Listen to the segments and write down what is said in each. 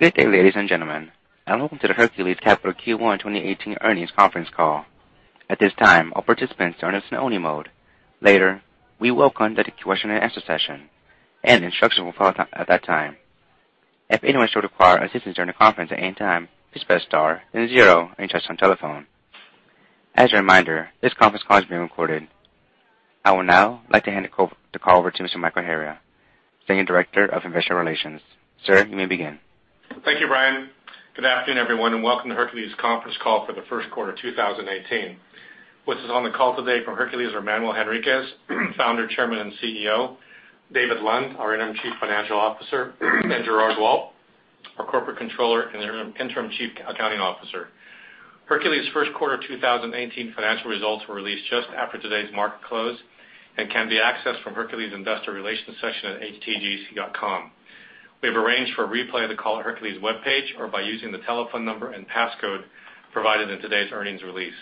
Good day, ladies and gentlemen. Welcome to the Hercules Capital Q1 2018 earnings conference call. At this time, all participants are in listen-only mode. Later, we will conduct a question-and-answer session. Instructions will follow at that time. If anyone should require assistance during the conference at any time, please press star then zero on your touch-tone telephone. As a reminder, this conference call is being recorded. I would now like to hand the call over to Mr. Michael Hara, Senior Director of Investor Relations. Sir, you may begin. Thank you, Brian. Good afternoon, everyone. Welcome to Hercules' conference call for the first quarter 2018. With us on the call today from Hercules are Manuel Henriquez, Founder, Chairman, and CEO, David Lund, our Interim Chief Financial Officer, and Gerard Waldt, our Corporate Controller and Interim Chief Accounting Officer. Hercules' first quarter 2018 financial results were released just after today's market close. Can be accessed from Hercules' investor relations section at htgc.com. We have arranged for a replay of the call at Hercules' webpage or by using the telephone number and passcode provided in today's earnings release.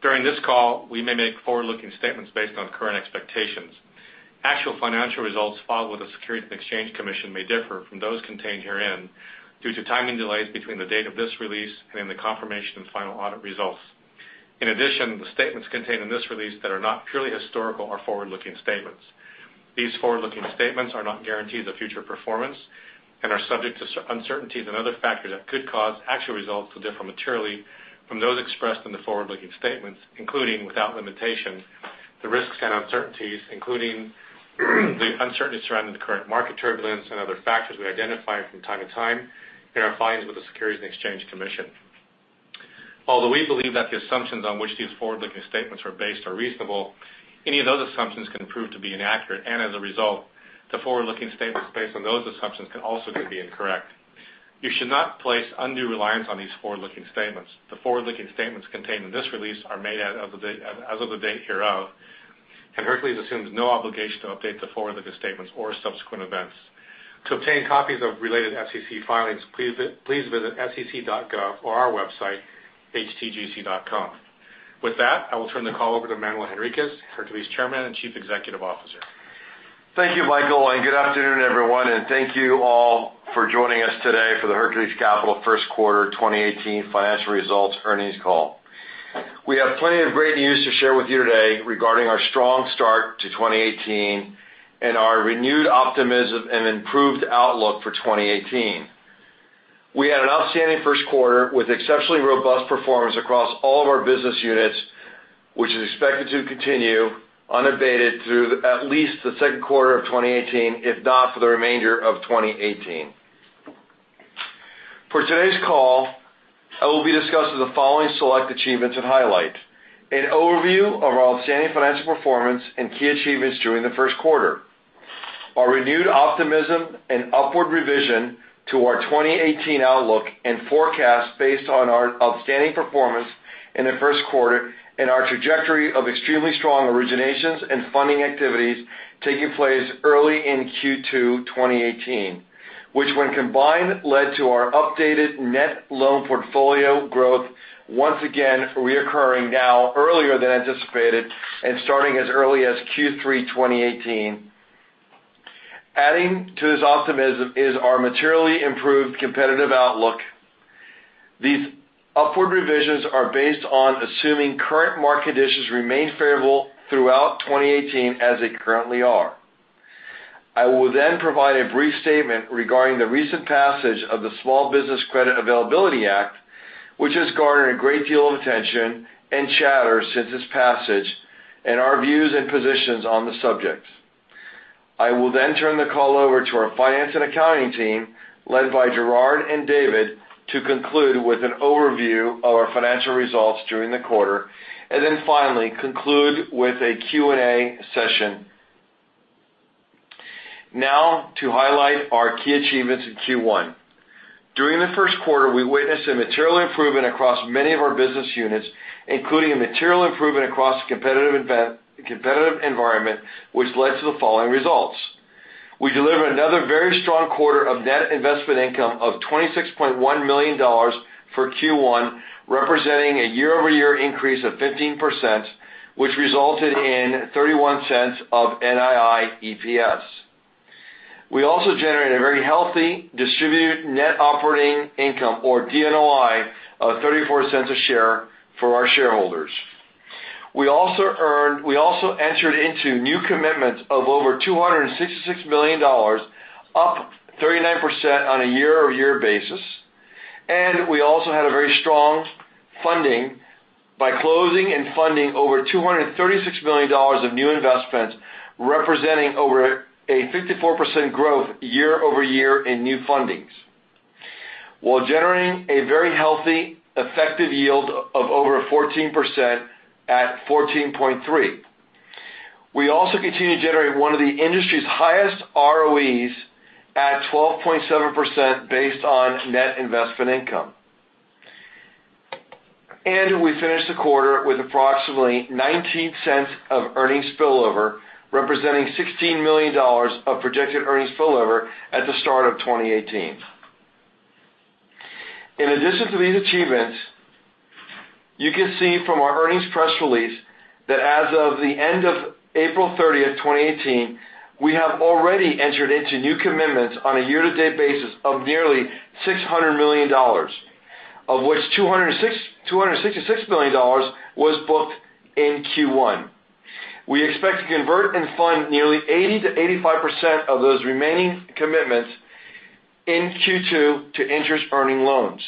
During this call, we may make forward-looking statements based on current expectations. Actual financial results filed with the Securities and Exchange Commission may differ from those contained herein due to timing delays between the date of this release and the confirmation of final audit results. In addition, the statements contained in this release that are not purely historical or forward-looking statements. These forward-looking statements are not guarantees of future performance and are subject to uncertainties and other factors that could cause actual results to differ materially from those expressed in the forward-looking statements, including, without limitation, the risks and uncertainties, including the uncertainty surrounding the current market turbulence and other factors we identify from time to time in our filings with the Securities and Exchange Commission. Although we believe that the assumptions on which these forward-looking statements are based are reasonable, any of those assumptions can prove to be inaccurate. As a result, the forward-looking statements based on those assumptions can also be incorrect. You should not place undue reliance on these forward-looking statements. The forward-looking statements contained in this release are made as of the date hereof. Hercules assumes no obligation to update the forward-looking statements or subsequent events. To obtain copies of related SEC filings, please visit sec.gov or our website, htgc.com. With that, I will turn the call over to Manuel Henriquez, Hercules Chairman and Chief Executive Officer. Thank you, Michael. Good afternoon, everyone. Thank you all for joining us today for the Hercules Capital first quarter 2018 financial results earnings call. We have plenty of great news to share with you today regarding our strong start to 2018 and our renewed optimism and improved outlook for 2018. We had an outstanding first quarter with exceptionally robust performance across all of our business units, which is expected to continue unabated through at least the second quarter of 2018, if not for the remainder of 2018. For today's call, I will be discussing the following select achievements and highlights. An overview of our outstanding financial performance and key achievements during the first quarter. Our renewed optimism and upward revision to our 2018 outlook and forecast based on our outstanding performance in the first quarter and our trajectory of extremely strong originations and funding activities taking place early in Q2 2018. Which when combined, led to our updated net loan portfolio growth once again reoccurring now earlier than anticipated and starting as early as Q3 2018. Adding to this optimism is our materially improved competitive outlook. These upward revisions are based on assuming current market conditions remain favorable throughout 2018 as they currently are. I will provide a brief statement regarding the recent passage of the Small Business Credit Availability Act, which has garnered a great deal of attention and chatter since its passage and our views and positions on the subject. I will turn the call over to our finance and accounting team, led by Gerard and David, to conclude with an overview of our financial results during the quarter, and then finally conclude with a Q&A session. Now to highlight our key achievements in Q1. During the first quarter, we witnessed a material improvement across many of our business units, including a material improvement across the competitive environment, which led to the following results. We delivered another very strong quarter of net investment income of $26.1 million for Q1, representing a year-over-year increase of 15%, which resulted in $0.31 of NII EPS. We also generated a very healthy distributed net operating income or DNOI of $0.34 a share for our shareholders. We also entered into new commitments of over $266 million, up 39% on a year-over-year basis. We also had a very strong funding by closing and funding over $236 million of new investments, representing over a 54% growth year-over-year in new fundings while generating a very healthy effective yield of over 14% at 14.3%. We also continue to generate one of the industry's highest ROEs at 12.7% based on net investment income. We finished the quarter with approximately $0.19 of earnings spillover, representing $16 million of projected earnings spillover at the start of 2018. In addition to these achievements, you can see from our earnings press release that as of the end of April 30th, 2018, we have already entered into new commitments on a year-to-date basis of nearly $600 million, of which $266 million was booked in Q1. We expect to convert and fund nearly 80%-85% of those remaining commitments in Q2 to interest-earning loans.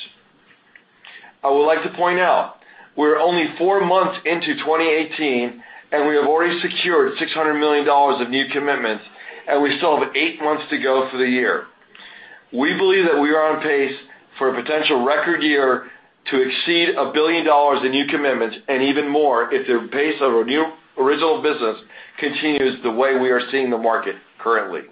I would like to point out, we are only 4 months into 2018, and we have already secured $600 million of new commitments, and we still have 8 months to go for the year. We believe that we are on pace for a potential record year to exceed $1 billion in new commitments and even more if the pace of our new original business continues the way we are seeing the market currently.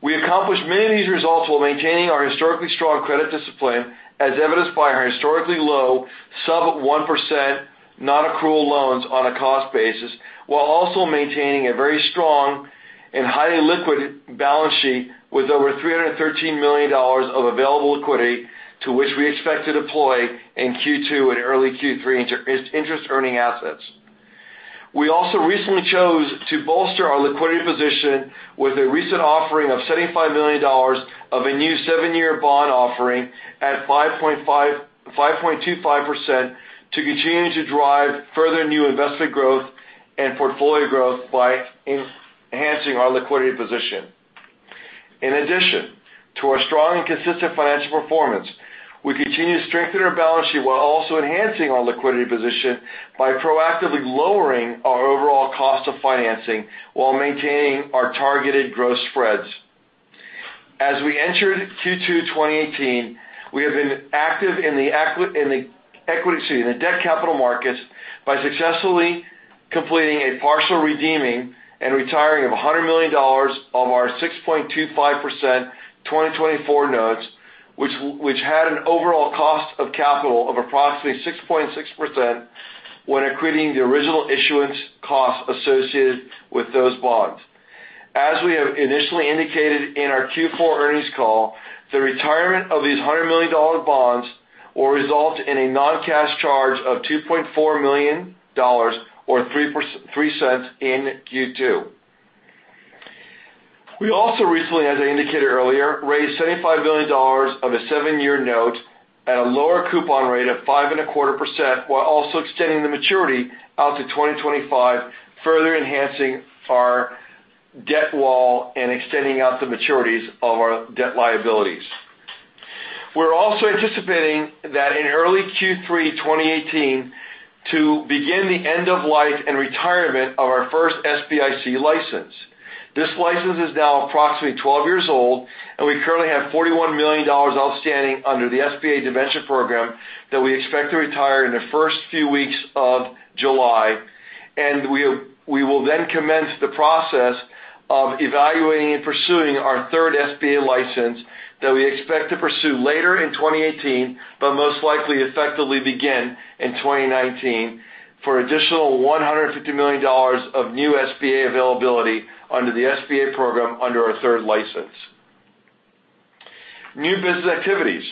We accomplished many of these results while maintaining our historically strong credit discipline, as evidenced by our historically low sub 1% non-accrual loans on a cost basis, while also maintaining a very strong and highly liquid balance sheet with over $313 million of available liquidity to which we expect to deploy in Q2 and early Q3 into interest-earning assets. We also recently chose to bolster our liquidity position with a recent offering of $75 million of a new seven-year bond offering at 5.25% to continue to drive further new investment growth and portfolio growth by enhancing our liquidity position. In addition to our strong and consistent financial performance, we continue to strengthen our balance sheet while also enhancing our liquidity position by proactively lowering our overall cost of financing while maintaining our targeted gross spreads. As we entered Q2 2018, we have been active in the debt capital markets by successfully completing a partial redeeming and retiring of $100 million of our 6.25% 2024 notes, which had an overall cost of capital of approximately 6.6% when accreting the original issuance cost associated with those bonds. As we have initially indicated in our Q4 earnings call, the retirement of these $100 million bonds will result in a non-cash charge of $2.4 million, or $0.03 in Q2. We also recently, as I indicated earlier, raised $75 million of a seven-year note at a lower coupon rate of 5.25%, while also extending the maturity out to 2025, further enhancing our debt wall and extending out the maturities of our debt liabilities. We are also anticipating that in early Q3 2018 to begin the end of life and retirement of our first SBIC license. This license is now approximately 12 years old, and we currently have $41 million outstanding under the SBA debenture program that we expect to retire in the first few weeks of July. We will then commence the process of evaluating and pursuing our third SBA license that we expect to pursue later in 2018, but most likely effectively begin in 2019 for additional $150 million of new SBA availability under the SBA program under our third license. New business activities.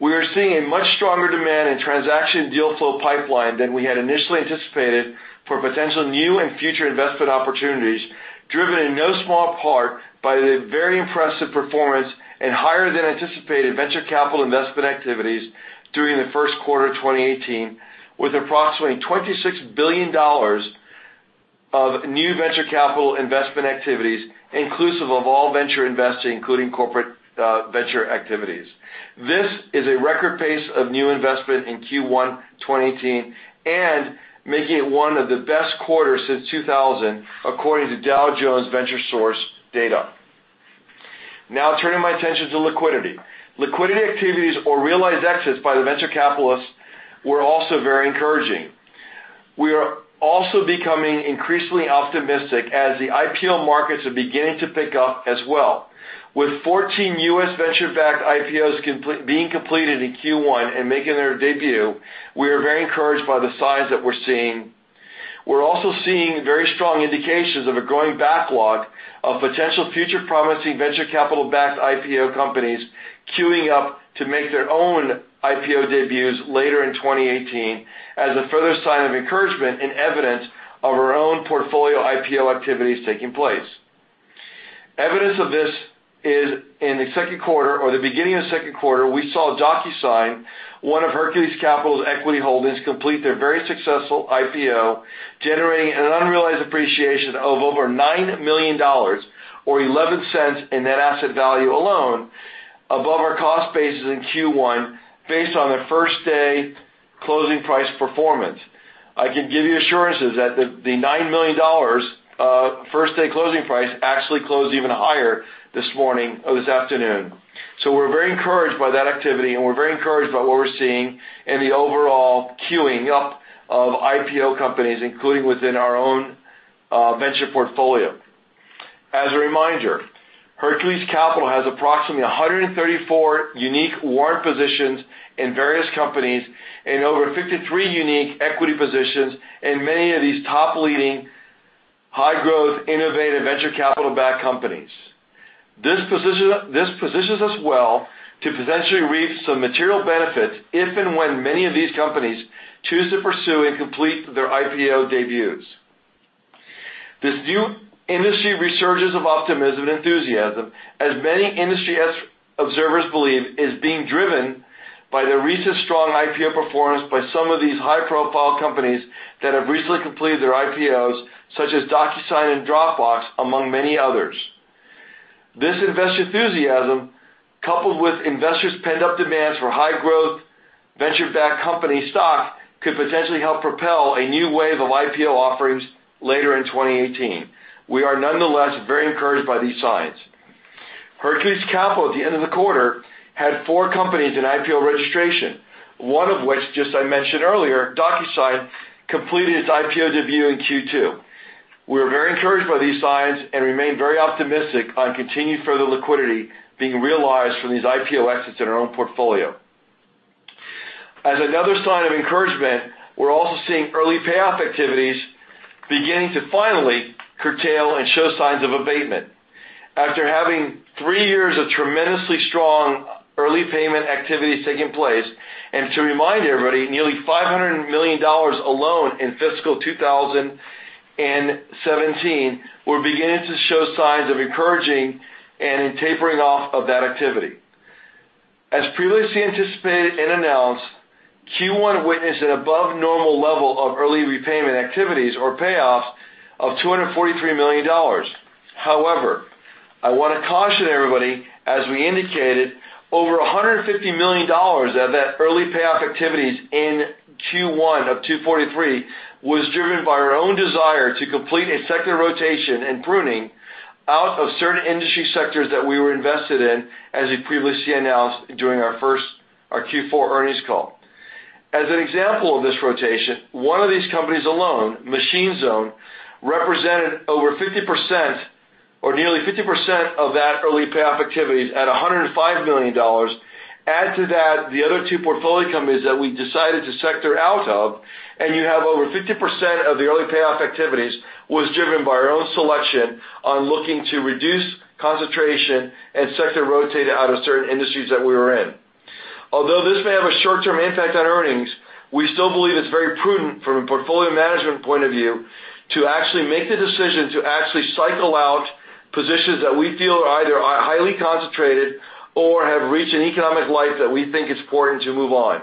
We are seeing a much stronger demand in transaction deal flow pipeline than we had initially anticipated for potential new and future investment opportunities, driven in no small part by the very impressive performance and higher than anticipated venture capital investment activities during the first quarter of 2018, with approximately $26 billion of new venture capital investment activities, inclusive of all venture investing, including corporate venture activities. This is a record pace of new investment in Q1 2018 and making it one of the best quarters since 2000, according to Dow Jones VentureSource data. Now turning my attention to liquidity. Liquidity activities or realized exits by the venture capitalists were also very encouraging. We are also becoming increasingly optimistic as the IPO markets are beginning to pick up as well. With 14 U.S. venture-backed IPOs being completed in Q1 and making their debut, we are very encouraged by the signs that we're seeing. We're also seeing very strong indications of a growing backlog of potential future promising venture capital-backed IPO companies queuing up to make their own IPO debuts later in 2018 as a further sign of encouragement and evidence of our own portfolio IPO activities taking place. Evidence of this is in the second quarter or the beginning of the second quarter, we saw DocuSign, one of Hercules Capital's equity holdings, complete their very successful IPO, generating an unrealized appreciation of over $9 million or $0.11 in net asset value alone above our cost basis in Q1 based on their first-day closing price performance. I can give you assurances that the $9 million of first-day closing price actually closed even higher this afternoon. We're very encouraged by that activity, and we're very encouraged by what we're seeing in the overall queuing up of IPO companies, including within our own venture portfolio. As a reminder, Hercules Capital has approximately 134 unique warrant positions in various companies and over 53 unique equity positions in many of these top leading high growth, innovative venture capital-backed companies. This positions us well to potentially reap some material benefits if and when many of these companies choose to pursue and complete their IPO debuts. This new industry resurgence of optimism and enthusiasm, as many industry observers believe, is being driven by the recent strong IPO performance by some of these high-profile companies that have recently completed their IPOs, such as DocuSign and Dropbox, among many others. This investor enthusiasm, coupled with investors' pent-up demands for high-growth, venture-backed company stock, could potentially help propel a new wave of IPO offerings later in 2018. We are nonetheless very encouraged by these signs. Hercules Capital, at the end of the quarter, had four companies in IPO registration, one of which, just I mentioned earlier, DocuSign, completed its IPO debut in Q2. We are very encouraged by these signs and remain very optimistic on continued further liquidity being realized from these IPO exits in our own portfolio. As another sign of encouragement, we're also seeing early payoff activities beginning to finally curtail and show signs of abatement. After having three years of tremendously strong early payment activities taking place, and to remind everybody, nearly $500 million alone in fiscal 2017, we're beginning to show signs of encouraging and tapering off of that activity. As previously anticipated and announced, Q1 witnessed an above-normal level of early repayment activities or payoffs of $243 million. I want to caution everybody, as we indicated, over $150 million of that early payoff activities in Q1 2024 was driven by our own desire to complete a sector rotation and pruning out of certain industry sectors that we were invested in, as we previously announced during our Q4 earnings call. As an example of this rotation, one of these companies alone, Machine Zone, represented over 50% or nearly 50% of that early payoff activities at $105 million. Add to that the other two portfolio companies that we decided to sector out of, and you have over 50% of the early payoff activities was driven by our own selection on looking to reduce concentration and sector rotate out of certain industries that we were in. Although this may have a short-term impact on earnings, we still believe it's very prudent from a portfolio management point of view to actually make the decision to actually cycle out positions that we feel are either highly concentrated or have reached an economic life that we think is important to move on.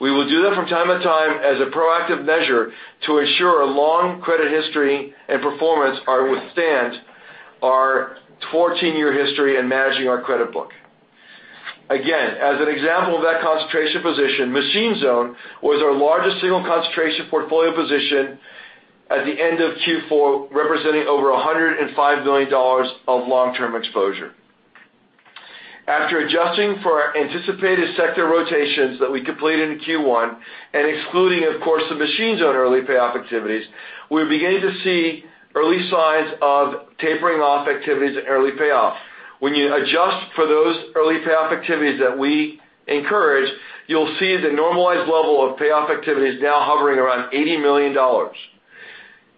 We will do that from time to time as a proactive measure to ensure a long credit history and performance withstand our 14-year history in managing our credit book. Again, as an example of that concentration position, Machine Zone was our largest single concentration portfolio position at the end of Q4, representing over $105 million of long-term exposure. After adjusting for our anticipated sector rotations that we completed in Q1 and excluding, of course, the Machine Zone early payoff activities, we're beginning to see early signs of tapering off activities and early payoff. When you adjust for those early payoff activities that we incurred, you'll see the normalized level of payoff activity is now hovering around $80 million.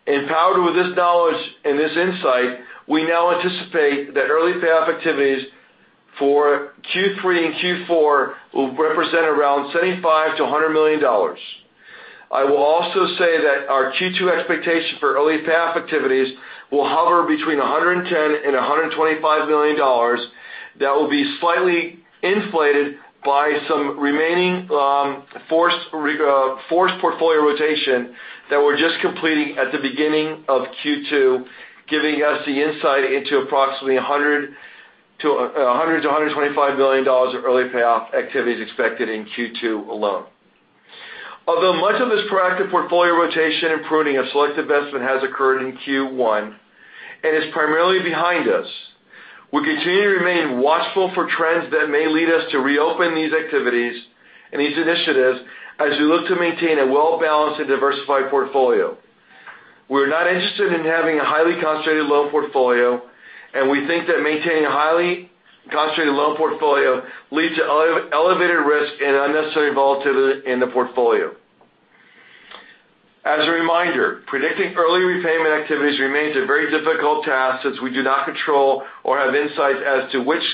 Empowered with this knowledge and this insight, we now anticipate that early payoff activities for Q3 and Q4 will represent around $75 million-$100 million. I will also say that our Q2 expectation for early payoff activities will hover between $110 million-$125 million. That will be slightly inflated by some remaining forced portfolio rotation that we're just completing at the beginning of Q2, giving us the insight into approximately $100 million-$125 million of early payoff activities expected in Q2 alone. Although much of this proactive portfolio rotation and pruning of select investment has occurred in Q1 and is primarily behind us, we continue to remain watchful for trends that may lead us to reopen these activities and these initiatives as we look to maintain a well-balanced and diversified portfolio. We are not interested in having a highly concentrated loan portfolio, and we think that maintaining a highly concentrated loan portfolio leads to elevated risk and unnecessary volatility in the portfolio. As a reminder, predicting early repayment activities remains a very difficult task since we do not control or have insights as to which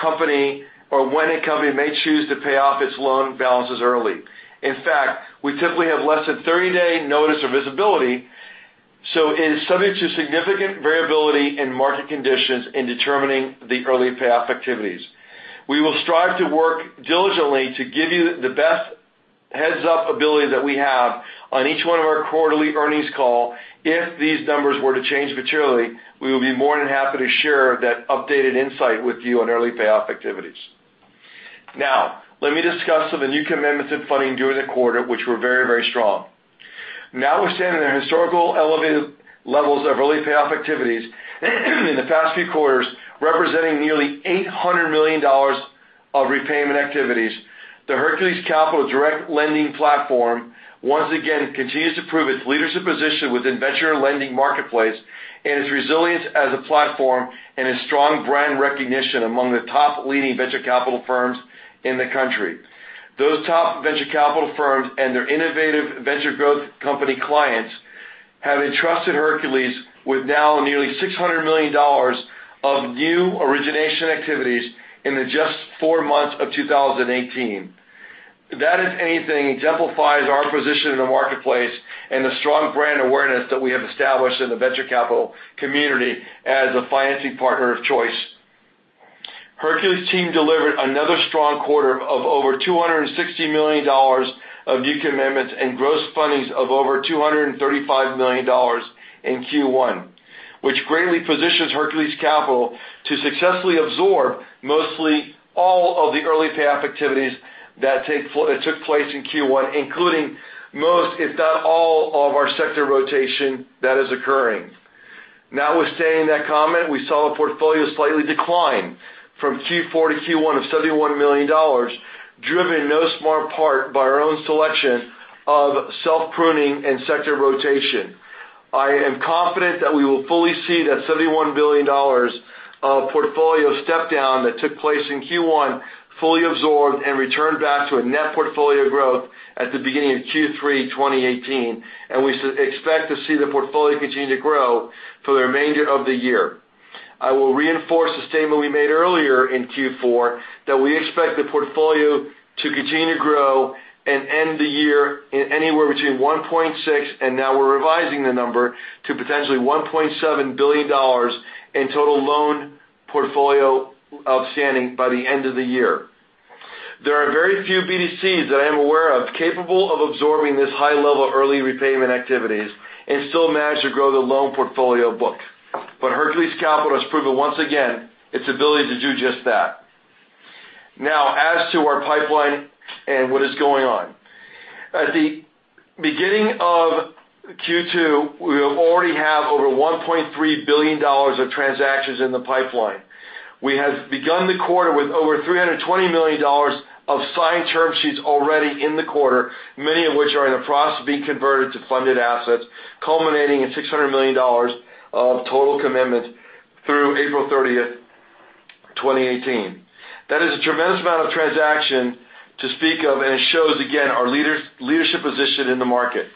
company or when a company may choose to pay off its loan balances early. In fact, we typically have less than 30-day notice or visibility, so it is subject to significant variability in market conditions in determining the early payoff activities. We will strive to work diligently to give you the best heads-up ability that we have on each one of our quarterly earnings call. If these numbers were to change materially, we will be more than happy to share that updated insight with you on early payoff activities. Let me discuss some of the new commitments and funding during the quarter, which were very, very strong. Notwithstanding the historical elevated levels of early payoff activities in the past few quarters, representing nearly $800 million of repayment activities, the Hercules Capital direct lending platform once again continues to prove its leadership position within venture lending marketplace and its resilience as a platform and its strong brand recognition among the top leading venture capital firms in the country. Those top venture capital firms and their innovative venture growth company clients have entrusted Hercules with now nearly $600 million of new origination activities in the just four months of 2018. If that is anything, it exemplifies our position in the marketplace and the strong brand awareness that we have established in the venture capital community as a financing partner of choice. Hercules team delivered another strong quarter of over $260 million of new commitments and gross fundings of over $235 million in Q1, which greatly positions Hercules Capital to successfully absorb mostly all of the early payoff activities that took place in Q1, including most, if not all, of our sector rotation that is occurring. Notwithstanding that comment, we saw the portfolio slightly decline from Q4 to Q1 of $71 million, driven in no small part by our own selection of self-pruning and sector rotation. I am confident that we will fully see that $71 million of portfolio step-down that took place in Q1, fully absorbed and returned back to a net portfolio growth at the beginning of Q3 2018. We expect to see the portfolio continue to grow for the remainder of the year. I will reinforce the statement we made earlier in Q4 that we expect the portfolio to continue to grow and end the year anywhere between $1.6 billion and now we're revising the number to potentially $1.7 billion in total loan portfolio outstanding by the end of the year. There are very few BDCs that I am aware of, capable of absorbing this high level of early repayment activities and still manage to grow the loan portfolio book. Hercules Capital has proven once again, its ability to do just that. As to our pipeline and what is going on. At the beginning of Q2, we already have over $1.3 billion of transactions in the pipeline. We have begun the quarter with over $320 million of signed term sheets already in the quarter, many of which are in the process of being converted to funded assets, culminating in $600 million of total commitments through April 30th, 2018. That is a tremendous amount of transaction to speak of, and it shows again our leadership position in the market.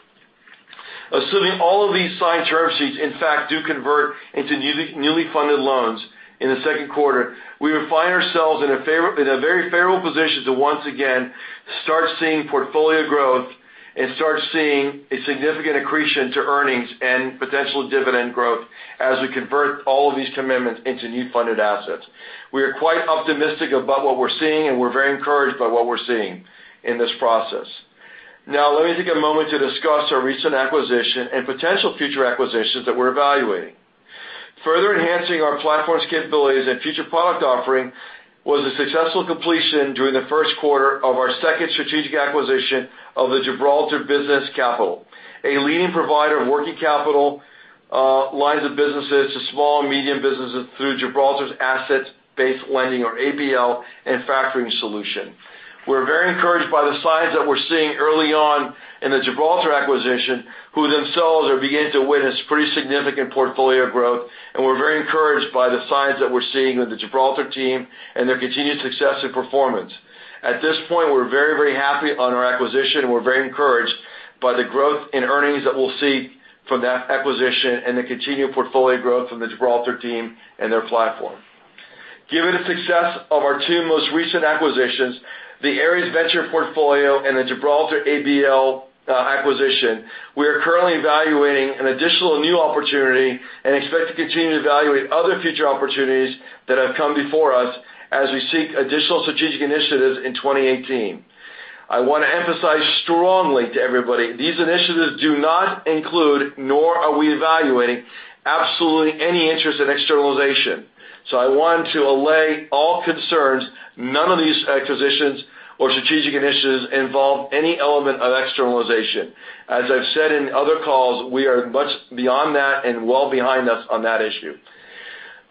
Assuming all of these signed term sheets in fact do convert into newly funded loans in the second quarter, we would find ourselves in a very favorable position to once again start seeing portfolio growth and start seeing a significant accretion to earnings and potential dividend growth as we convert all of these commitments into new funded assets. We are quite optimistic about what we're seeing, and we're very encouraged by what we're seeing in this process. Let me take a moment to discuss our recent acquisition and potential future acquisitions that we're evaluating. Further enhancing our platform's capabilities and future product offering was a successful completion during the first quarter of our second strategic acquisition of Gibraltar Business Capital, a leading provider of working capital lines of businesses to small and medium businesses through Gibraltar's asset-based lending or ABL and factoring solution. We're very encouraged by the signs that we're seeing early on in the Gibraltar acquisition, who themselves are beginning to witness pretty significant portfolio growth, and we're very encouraged by the signs that we're seeing with the Gibraltar team and their continued success and performance. At this point, we're very happy on our acquisition, and we're very encouraged by the growth in earnings that we'll see from that acquisition and the continued portfolio growth from the Gibraltar team and their platform. Given the success of our two most recent acquisitions, the Ares Venture portfolio and the Gibraltar ABL acquisition, we are currently evaluating an additional new opportunity and expect to continue to evaluate other future opportunities that have come before us as we seek additional strategic initiatives in 2018. I want to emphasize strongly to everybody, these initiatives do not include, nor are we evaluating absolutely any interest in externalization. I want to allay all concerns, none of these acquisitions or strategic initiatives involve any element of externalization. As I've said in other calls, we are much beyond that and well behind us on that issue.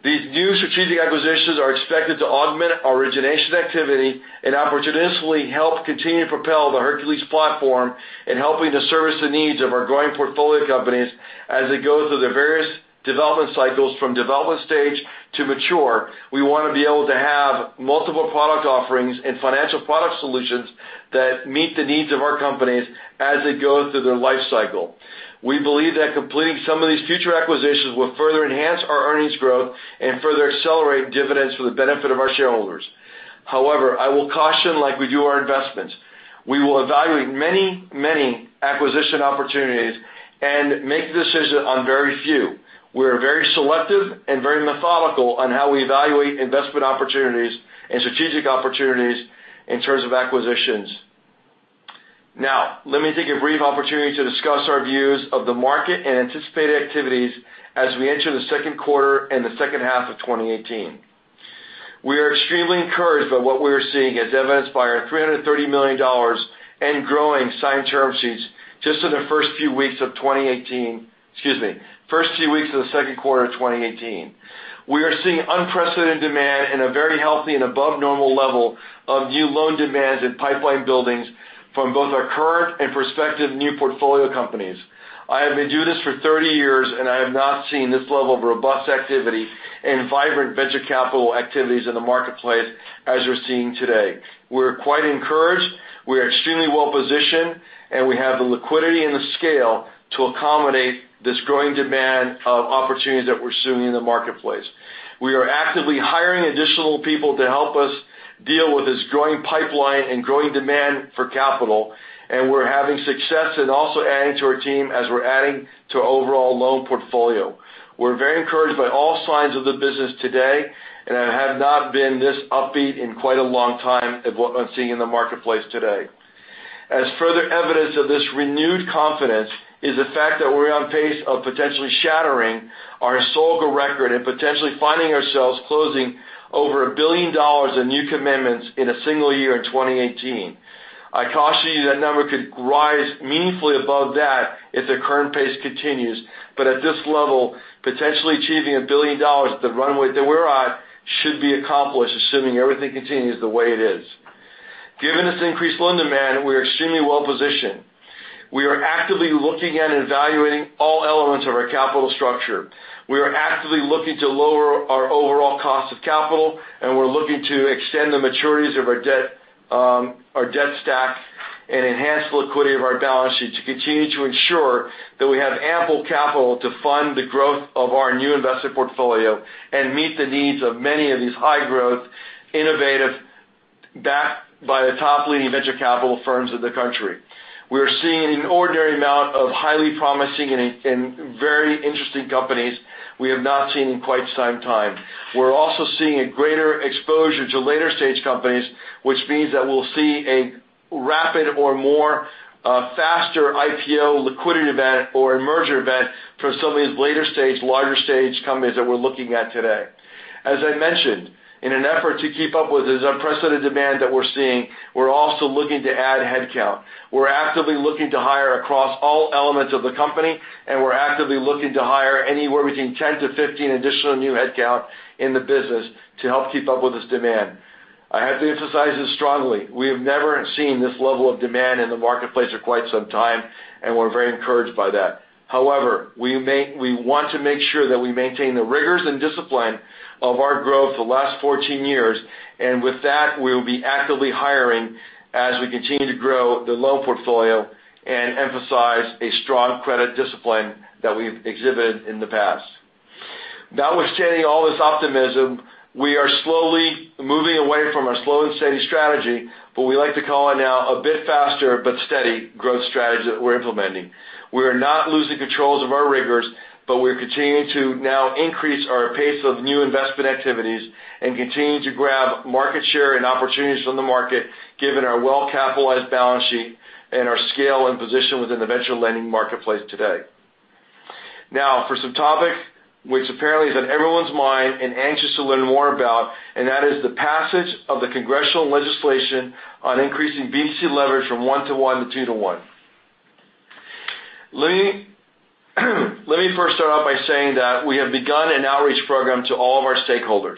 These new strategic acquisitions are expected to augment our origination activity and opportunistically help continue to propel the Hercules platform in helping to service the needs of our growing portfolio companies as they go through their various development cycles from development stage to mature. We want to be able to have multiple product offerings and financial product solutions that meet the needs of our companies as they go through their life cycle. We believe that completing some of these future acquisitions will further enhance our earnings growth and further accelerate dividends for the benefit of our shareholders. However, I will caution, like we do our investments, we will evaluate many acquisition opportunities and make the decision on very few. We're very selective and very methodical on how we evaluate investment opportunities and strategic opportunities in terms of acquisitions. Let me take a brief opportunity to discuss our views of the market and anticipated activities as we enter the second quarter and the second half of 2018. We are extremely encouraged by what we are seeing as evidenced by our $330 million and growing signed term sheets just in the first few weeks of the second quarter of 2018. We are seeing unprecedented demand and a very healthy and above-normal level of new loan demands and pipeline buildings From both our current and prospective new portfolio companies. I have been doing this for 30 years. I have not seen this level of robust activity and vibrant venture capital activities in the marketplace as we're seeing today. We're quite encouraged, we are extremely well-positioned, and we have the liquidity and the scale to accommodate this growing demand of opportunities that we're seeing in the marketplace. We are actively hiring additional people to help us deal with this growing pipeline and growing demand for capital, and we're having success in also adding to our team as we're adding to our overall loan portfolio. We're very encouraged by all signs of the business today, and I have not been this upbeat in quite a long time of what I'm seeing in the marketplace today. As further evidence of this renewed confidence is the fact that we're on pace of potentially shattering our sole record and potentially finding ourselves closing over $1 billion in new commitments in a single year in 2018. I caution you that number could rise meaningfully above that if the current pace continues. At this level, potentially achieving $1 billion at the runway that we're on should be accomplished, assuming everything continues the way it is. Given this increased loan demand, we are extremely well-positioned. We are actively looking at and evaluating all elements of our capital structure. We are actively looking to lower our overall cost of capital, and we're looking to extend the maturities of our debt stack and enhance the liquidity of our balance sheet to continue to ensure that we have ample capital to fund the growth of our new investor portfolio and meet the needs of many of these high-growth, innovative, backed by the top leading venture capital firms in the country. We are seeing an inordinate amount of highly promising and very interesting companies we have not seen in quite some time. We're also seeing a greater exposure to later-stage companies, which means that we'll see a rapid or faster IPO liquidity event or a merger event for some of these later-stage, larger-stage companies that we're looking at today. As I mentioned, in an effort to keep up with this unprecedented demand that we're seeing, we're also looking to add headcount. We're actively looking to hire across all elements of the company, and we're actively looking to hire anywhere between 10 to 15 additional new headcount in the business to help keep up with this demand. I have to emphasize this strongly. We have never seen this level of demand in the marketplace for quite some time, and we're very encouraged by that. We want to make sure that we maintain the rigors and discipline of our growth for the last 14 years, and with that, we will be actively hiring as we continue to grow the loan portfolio and emphasize a strong credit discipline that we've exhibited in the past. Notwithstanding all this optimism, we are slowly moving away from our slow and steady strategy, but we like to call it now a bit faster but steady growth strategy that we're implementing. We are not losing controls of our rigors, but we're continuing to now increase our pace of new investment activities and continuing to grab market share and opportunities from the market, given our well-capitalized balance sheet and our scale and position within the venture lending marketplace today. Now for some topic which apparently is on everyone's mind and anxious to learn more about, that is the passage of the congressional legislation on increasing BDC leverage from one-to-one to two-to-one. Let me first start off by saying that we have begun an outreach program to all of our stakeholders.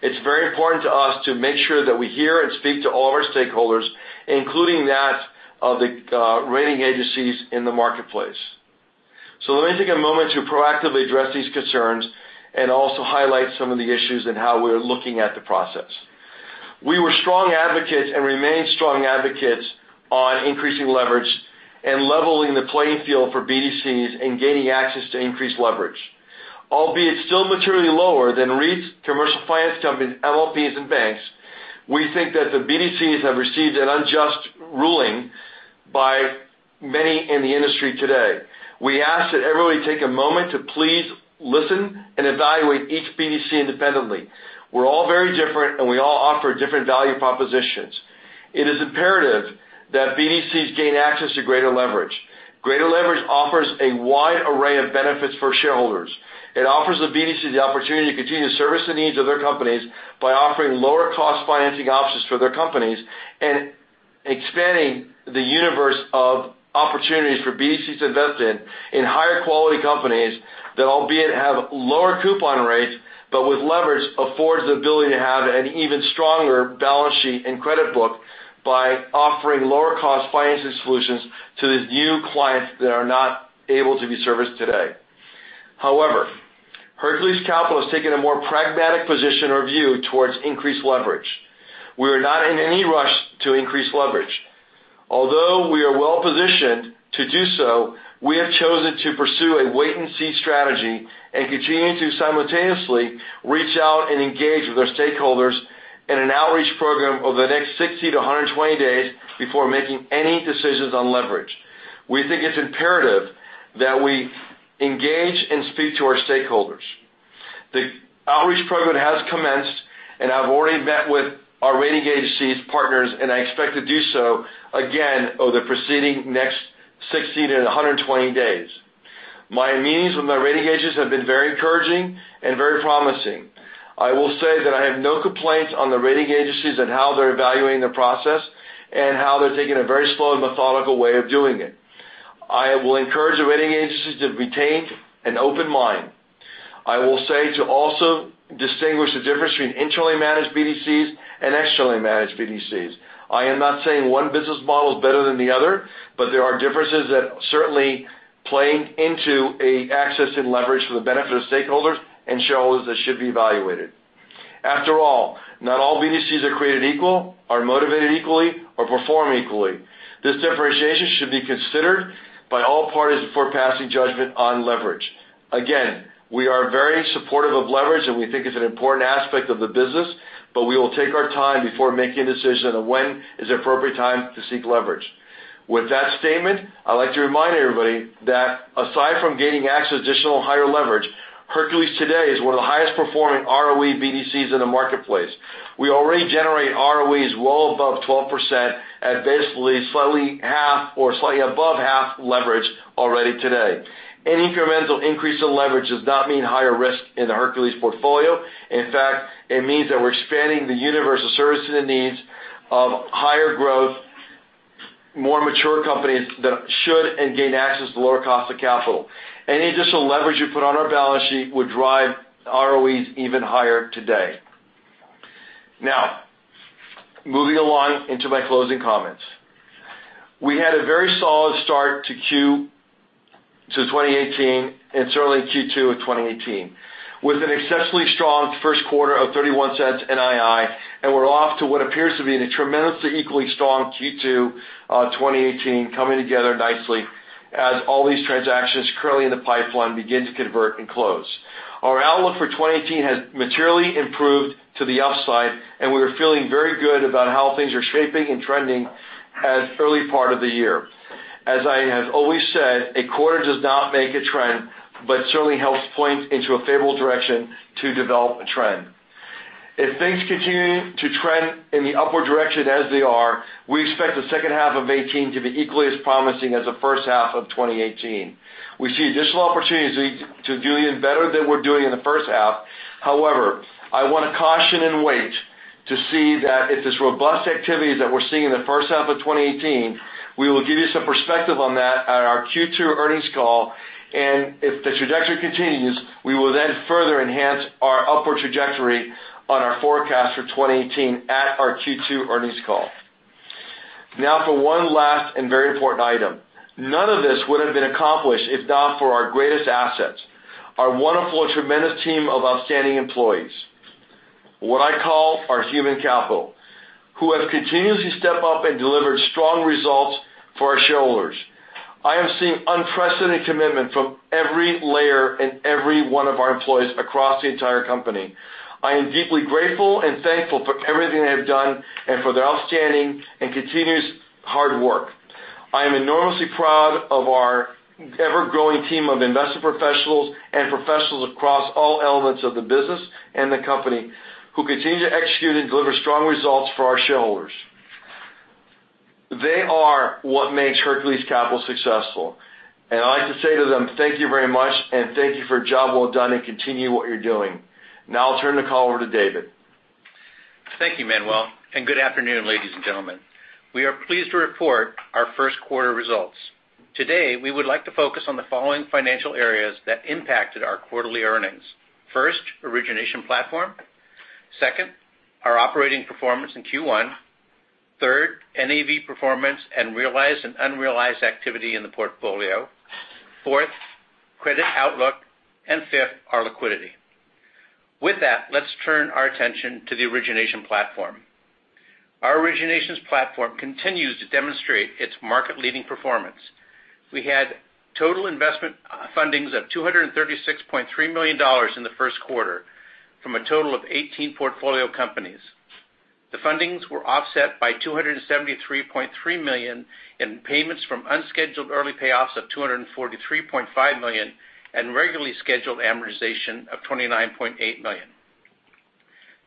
It's very important to us to make sure that we hear and speak to all of our stakeholders, including that of the rating agencies in the marketplace. Let me take a moment to proactively address these concerns and also highlight some of the issues and how we're looking at the process. We were strong advocates and remain strong advocates on increasing leverage and leveling the playing field for BDCs in gaining access to increased leverage. Albeit still materially lower than REITs, commercial finance companies, MLPs, and banks, we think that the BDCs have received an unjust ruling by many in the industry today. We ask that everybody take a moment to please listen and evaluate each BDC independently. We're all very different, and we all offer different value propositions. It is imperative that BDCs gain access to greater leverage. Greater leverage offers a wide array of benefits for shareholders. It offers the BDC the opportunity to continue to service the needs of their companies by offering lower cost financing options for their companies and expanding the universe of opportunities for BDCs to invest in higher quality companies that albeit have lower coupon rates, but with leverage, affords the ability to have an even stronger balance sheet and credit book by offering lower cost financing solutions to the new clients that are not able to be serviced today. However, Hercules Capital has taken a more pragmatic position or view towards increased leverage. We are not in any rush to increase leverage. Although we are well-positioned to do so, we have chosen to pursue a wait-and-see strategy and continue to simultaneously reach out and engage with our stakeholders in an outreach program over the next 60-120 days before making any decisions on leverage. We think it's imperative that we engage and speak to our stakeholders. The outreach program has commenced. I've already met with our rating agencies partners, and I expect to do so again over the proceeding next 60-120 days. My meetings with my rating agencies have been very encouraging and very promising. I will say that I have no complaints on the rating agencies and how they're evaluating the process and how they're taking a very slow and methodical way of doing it. I will encourage the rating agencies to retain an open mind. I will say to also distinguish the difference between internally managed BDCs and externally managed BDCs. I am not saying one business model is better than the other, but there are differences that certainly play into access and leverage for the benefit of stakeholders and shareholders that should be evaluated. After all, not all BDCs are created equal, are motivated equally, or perform equally. This differentiation should be considered by all parties before passing judgment on leverage. Again, we are very supportive of leverage, we think it's an important aspect of the business, we will take our time before making a decision on when is the appropriate time to seek leverage. With that statement, I'd like to remind everybody that aside from gaining access to additional higher leverage, Hercules today is one of the highest-performing ROE BDCs in the marketplace. We already generate ROEs well above 12% at basically slightly half or slightly above half leverage already today. Any incremental increase in leverage does not mean higher risk in the Hercules portfolio. In fact, it means that we're expanding the universe of servicing the needs of higher growth, more mature companies that should and gain access to lower cost of capital. Any additional leverage we put on our balance sheet would drive ROEs even higher today. Moving along into my closing comments. We had a very solid start to 2018 and certainly Q2 of 2018. With an exceptionally strong first quarter of $0.31 NII, we're off to what appears to be a tremendously equally strong Q2 of 2018 coming together nicely as all these transactions currently in the pipeline begin to convert and close. Our outlook for 2018 has materially improved to the upside, we are feeling very good about how things are shaping and trending as early part of the year. As I have always said, a quarter does not make a trend, certainly helps point into a favorable direction to develop a trend. If things continue to trend in the upward direction as they are, we expect the second half of 2018 to be equally as promising as the first half of 2018. We see additional opportunities to doing better than we're doing in the first half. However, I want to caution and wait to see that if this robust activity that we're seeing in the first half of 2018, we will give you some perspective on that at our Q2 earnings call. If the trajectory continues, we will then further enhance our upward trajectory on our forecast for 2018 at our Q2 earnings call. For one last and very important item. None of this would've been accomplished if not for our greatest assets, our wonderful and tremendous team of outstanding employees, what I call our human capital, who have continuously stepped up and delivered strong results for our shareholders. I have seen unprecedented commitment from every layer and every one of our employees across the entire company. I am deeply grateful and thankful for everything they have done and for their outstanding and continuous hard work. I am enormously proud of our ever-growing team of investment professionals and professionals across all elements of the business and the company who continue to execute and deliver strong results for our shareholders. They are what makes Hercules Capital successful. I'd like to say to them, thank you very much and thank you for a job well done and continue what you're doing. I'll turn the call over to David. Thank you, Manuel, and good afternoon, ladies and gentlemen. We are pleased to report our first quarter results. Today, we would like to focus on the following financial areas that impacted our quarterly earnings. First, origination platform. Second, our operating performance in Q1. Third, NAV performance and realized and unrealized activity in the portfolio. Fourth, credit outlook. Fifth, our liquidity. With that, let's turn our attention to the origination platform. Our originations platform continues to demonstrate its market-leading performance. We had total investment fundings of $236.3 million in the first quarter from a total of 18 portfolio companies. The fundings were offset by $273.3 million in payments from unscheduled early payoffs of $243.5 million and regularly scheduled amortization of $29.8 million.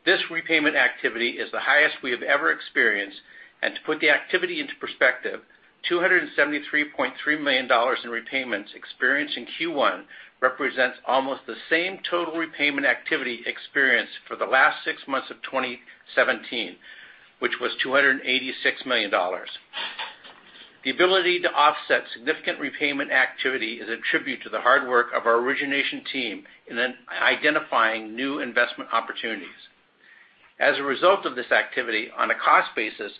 This repayment activity is the highest we have ever experienced. To put the activity into perspective, $273.3 million in repayments experienced in Q1 represents almost the same total repayment activity experienced for the last six months of 2017, which was $286 million. The ability to offset significant repayment activity is a tribute to the hard work of our origination team in identifying new investment opportunities. As a result of this activity, on a cost basis,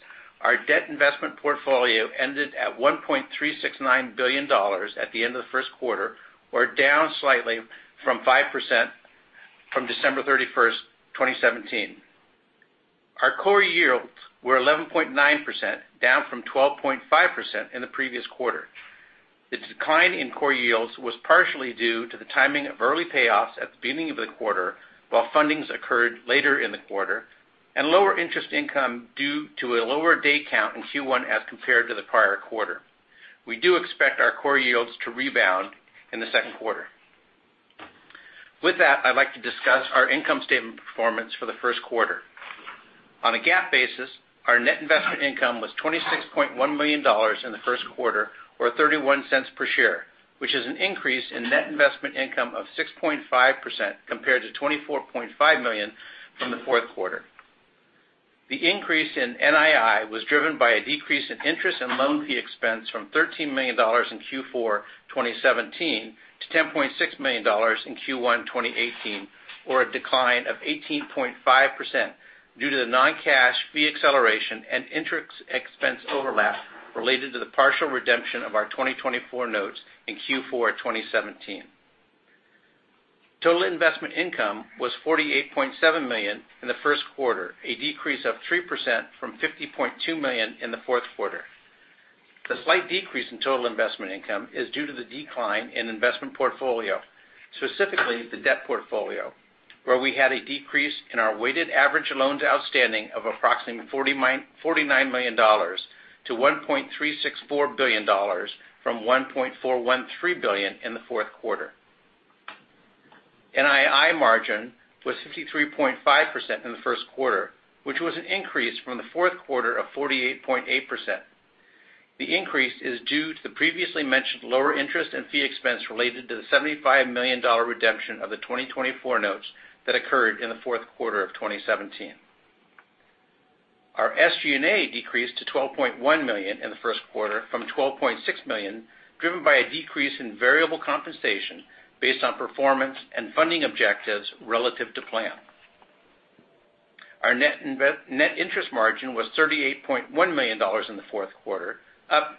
our debt investment portfolio ended at $1.369 billion at the end of the first quarter, or down slightly from 5% from December 31, 2017. Our core yields were 11.9%, down from 12.5% in the previous quarter. The decline in core yields was partially due to the timing of early payoffs at the beginning of the quarter, while fundings occurred later in the quarter, and lower interest income due to a lower day count in Q1 as compared to the prior quarter. We do expect our core yields to rebound in the second quarter. With that, I'd like to discuss our income statement performance for the first quarter. On a GAAP basis, our net investment income was $26.1 million in the first quarter, or $0.31 per share, which is an increase in net investment income of 6.5% compared to $24.5 million from the fourth quarter. The increase in NII was driven by a decrease in interest and loan fee expense from $13 million in Q4 2017 to $10.6 million in Q1 2018, or a decline of 18.5%, due to the non-cash fee acceleration and interest expense overlap related to the partial redemption of our 2024 notes in Q4 2017. Total investment income was $48.7 million in the first quarter, a decrease of 3% from $50.2 million in the fourth quarter. The slight decrease in total investment income is due to the decline in investment portfolio, specifically the debt portfolio, where we had a decrease in our weighted average loans outstanding of approximately $49 million to $1.364 billion from $1.413 billion in the fourth quarter. NII margin was 53.5% in the first quarter, which was an increase from the fourth quarter of 48.8%. The increase is due to the previously mentioned lower interest and fee expense related to the $75 million redemption of the 2024 notes that occurred in the fourth quarter of 2017. Our SG&A decreased to $12.1 million in the first quarter from $12.6 million, driven by a decrease in variable compensation based on performance and funding objectives relative to plan. Our net interest margin was $38.1 million in the fourth quarter, up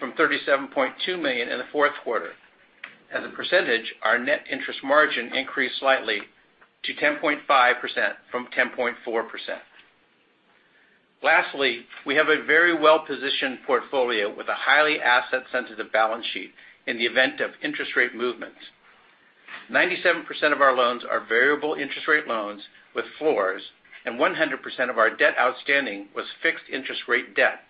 from $37.2 million in the fourth quarter. As a percentage, our net interest margin increased slightly to 10.5% from 10.4%. Lastly, we have a very well-positioned portfolio with a highly asset-sensitive balance sheet in the event of interest rate movements. 97% of our loans are variable interest rate loans with floors, and 100% of our debt outstanding was fixed interest rate debt.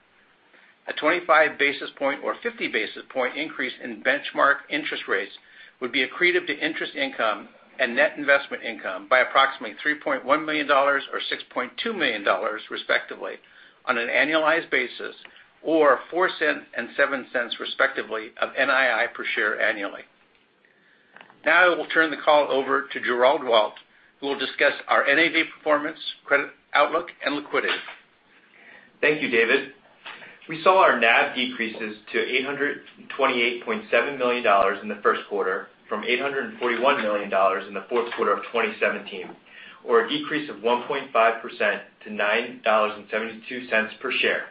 A 25 basis point or 50 basis point increase in benchmark interest rates would be accretive to interest income and net investment income by approximately $3.1 million or $6.2 million respectively on an annualized basis or $0.04 and $0.07 respectively of NII per share annually. I will turn the call over to Gerard Waldt, who will discuss our NAV performance, credit outlook, and liquidity. Thank you, David. We saw our NAV decreases to $828.7 million in the first quarter from $841 million in the fourth quarter of 2017, or a decrease of 1.5% to $9.72 per share.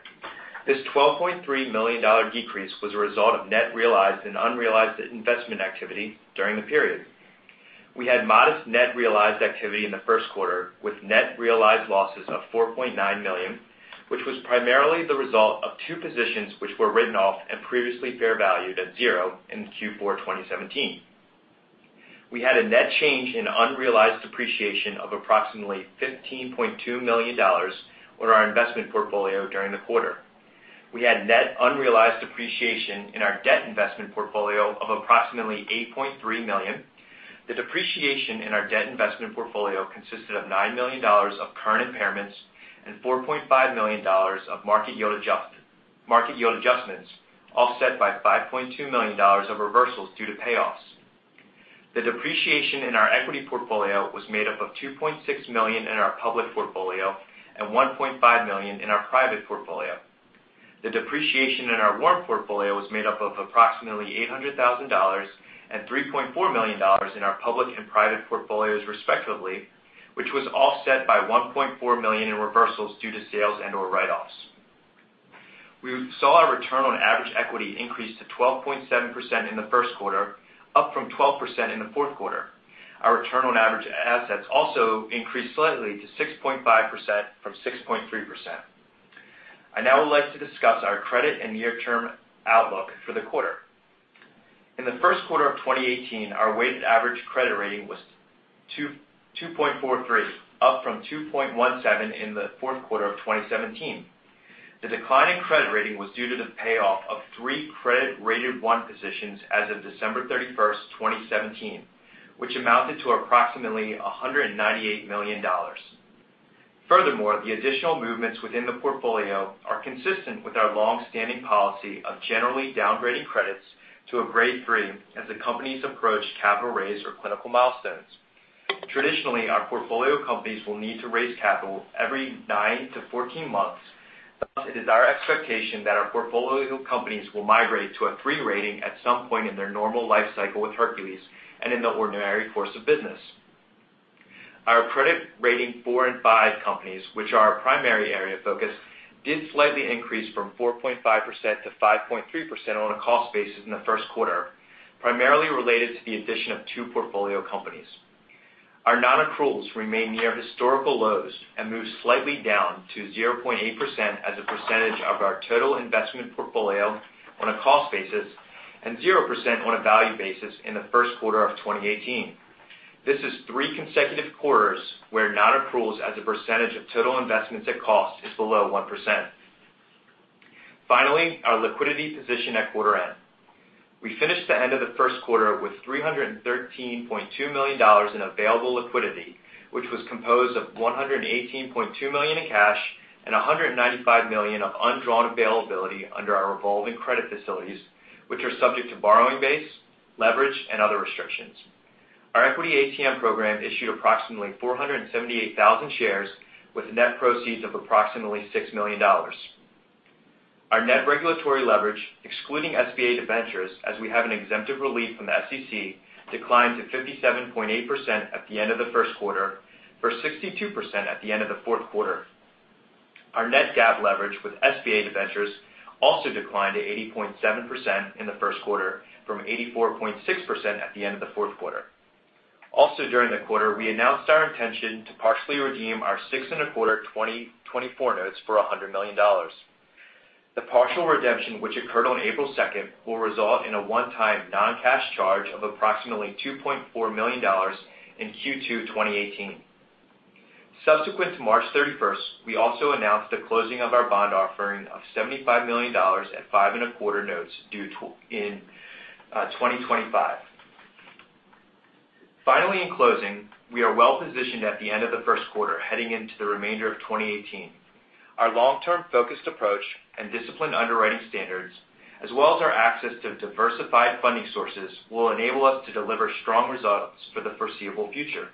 This $12.3 million decrease was a result of net realized and unrealized investment activity during the period. We had modest net realized activity in the first quarter, with net realized losses of $4.9 million, which was primarily the result of two positions which were written off and previously fair valued at zero in Q4 2017. We had a net change in unrealized depreciation of approximately $15.2 million with our investment portfolio during the quarter. We had net unrealized depreciation in our debt investment portfolio of approximately $8.3 million. The depreciation in our debt investment portfolio consisted of $9 million of current impairments and $4.5 million of market yield adjustments, offset by $5.2 million of reversals due to payoffs. The depreciation in our equity portfolio was made up of $2.6 million in our public portfolio and $1.5 million in our private portfolio. The depreciation in our WARF portfolio was made up of approximately $800,000 and $3.4 million in our public and private portfolios respectively, which was offset by $1.4 million in reversals due to sales and/or write-offs. We saw our return on average equity increase to 12.7% in the first quarter, up from 12% in the fourth quarter. Our return on average assets also increased slightly to 6.5% from 6.3%. I now would like to discuss our credit and near-term outlook for the quarter. In the first quarter of 2018, our weighted average credit rating was 2.43, up from 2.17 in the fourth quarter of 2017. The decline in credit rating was due to the payoff of three credit rated 1 positions as of December 31st, 2017, which amounted to approximately $198 million. The additional movements within the portfolio are consistent with our longstanding policy of generally downgrading credits to a grade 3 as the companies approach capital raise or clinical milestones. Traditionally, our portfolio companies will need to raise capital every nine to 14 months. It is our expectation that our portfolio companies will migrate to a 3 rating at some point in their normal life cycle with Hercules and in the ordinary course of business. Our credit rating 4 and 5 companies, which are our primary area of focus, did slightly increase from 4.5% to 5.3% on a cost basis in the first quarter, primarily related to the addition of two portfolio companies. Our non-accruals remain near historical lows and moved slightly down to 0.8% as a percentage of our total investment portfolio on a cost basis and 0% on a value basis in the first quarter of 2018. This is three consecutive quarters where non-accruals as a percentage of total investments at cost is below 1%. Finally, our liquidity position at quarter end. We finished the end of the first quarter with $313.2 million in available liquidity, which was composed of $118.2 million in cash and $195 million of undrawn availability under our revolving credit facilities, which are subject to borrowing base, leverage, and other restrictions. Our equity ATM program issued approximately 478,000 shares with net proceeds of approximately $6 million. Our net regulatory leverage, excluding SBA debentures, as we have an exemptive relief from the SEC, declined to 57.8% at the end of the first quarter for 62% at the end of the fourth quarter. Our net GAAP leverage with SBA debentures also declined to 80.7% in the first quarter from 84.6% at the end of the fourth quarter. During the quarter, we announced our intention to partially redeem our six-and-a-quarter 2024 notes for $100 million. The partial redemption, which occurred on April 2nd, will result in a one-time non-cash charge of approximately $2.4 million in Q2 2018. Subsequent to March 31st, we also announced the closing of our bond offering of $75 million at five-and-a-quarter notes due in 2025. Finally, in closing, we are well-positioned at the end of the first quarter heading into the remainder of 2018. Our long-term focused approach and disciplined underwriting standards, as well as our access to diversified funding sources, will enable us to deliver strong results for the foreseeable future.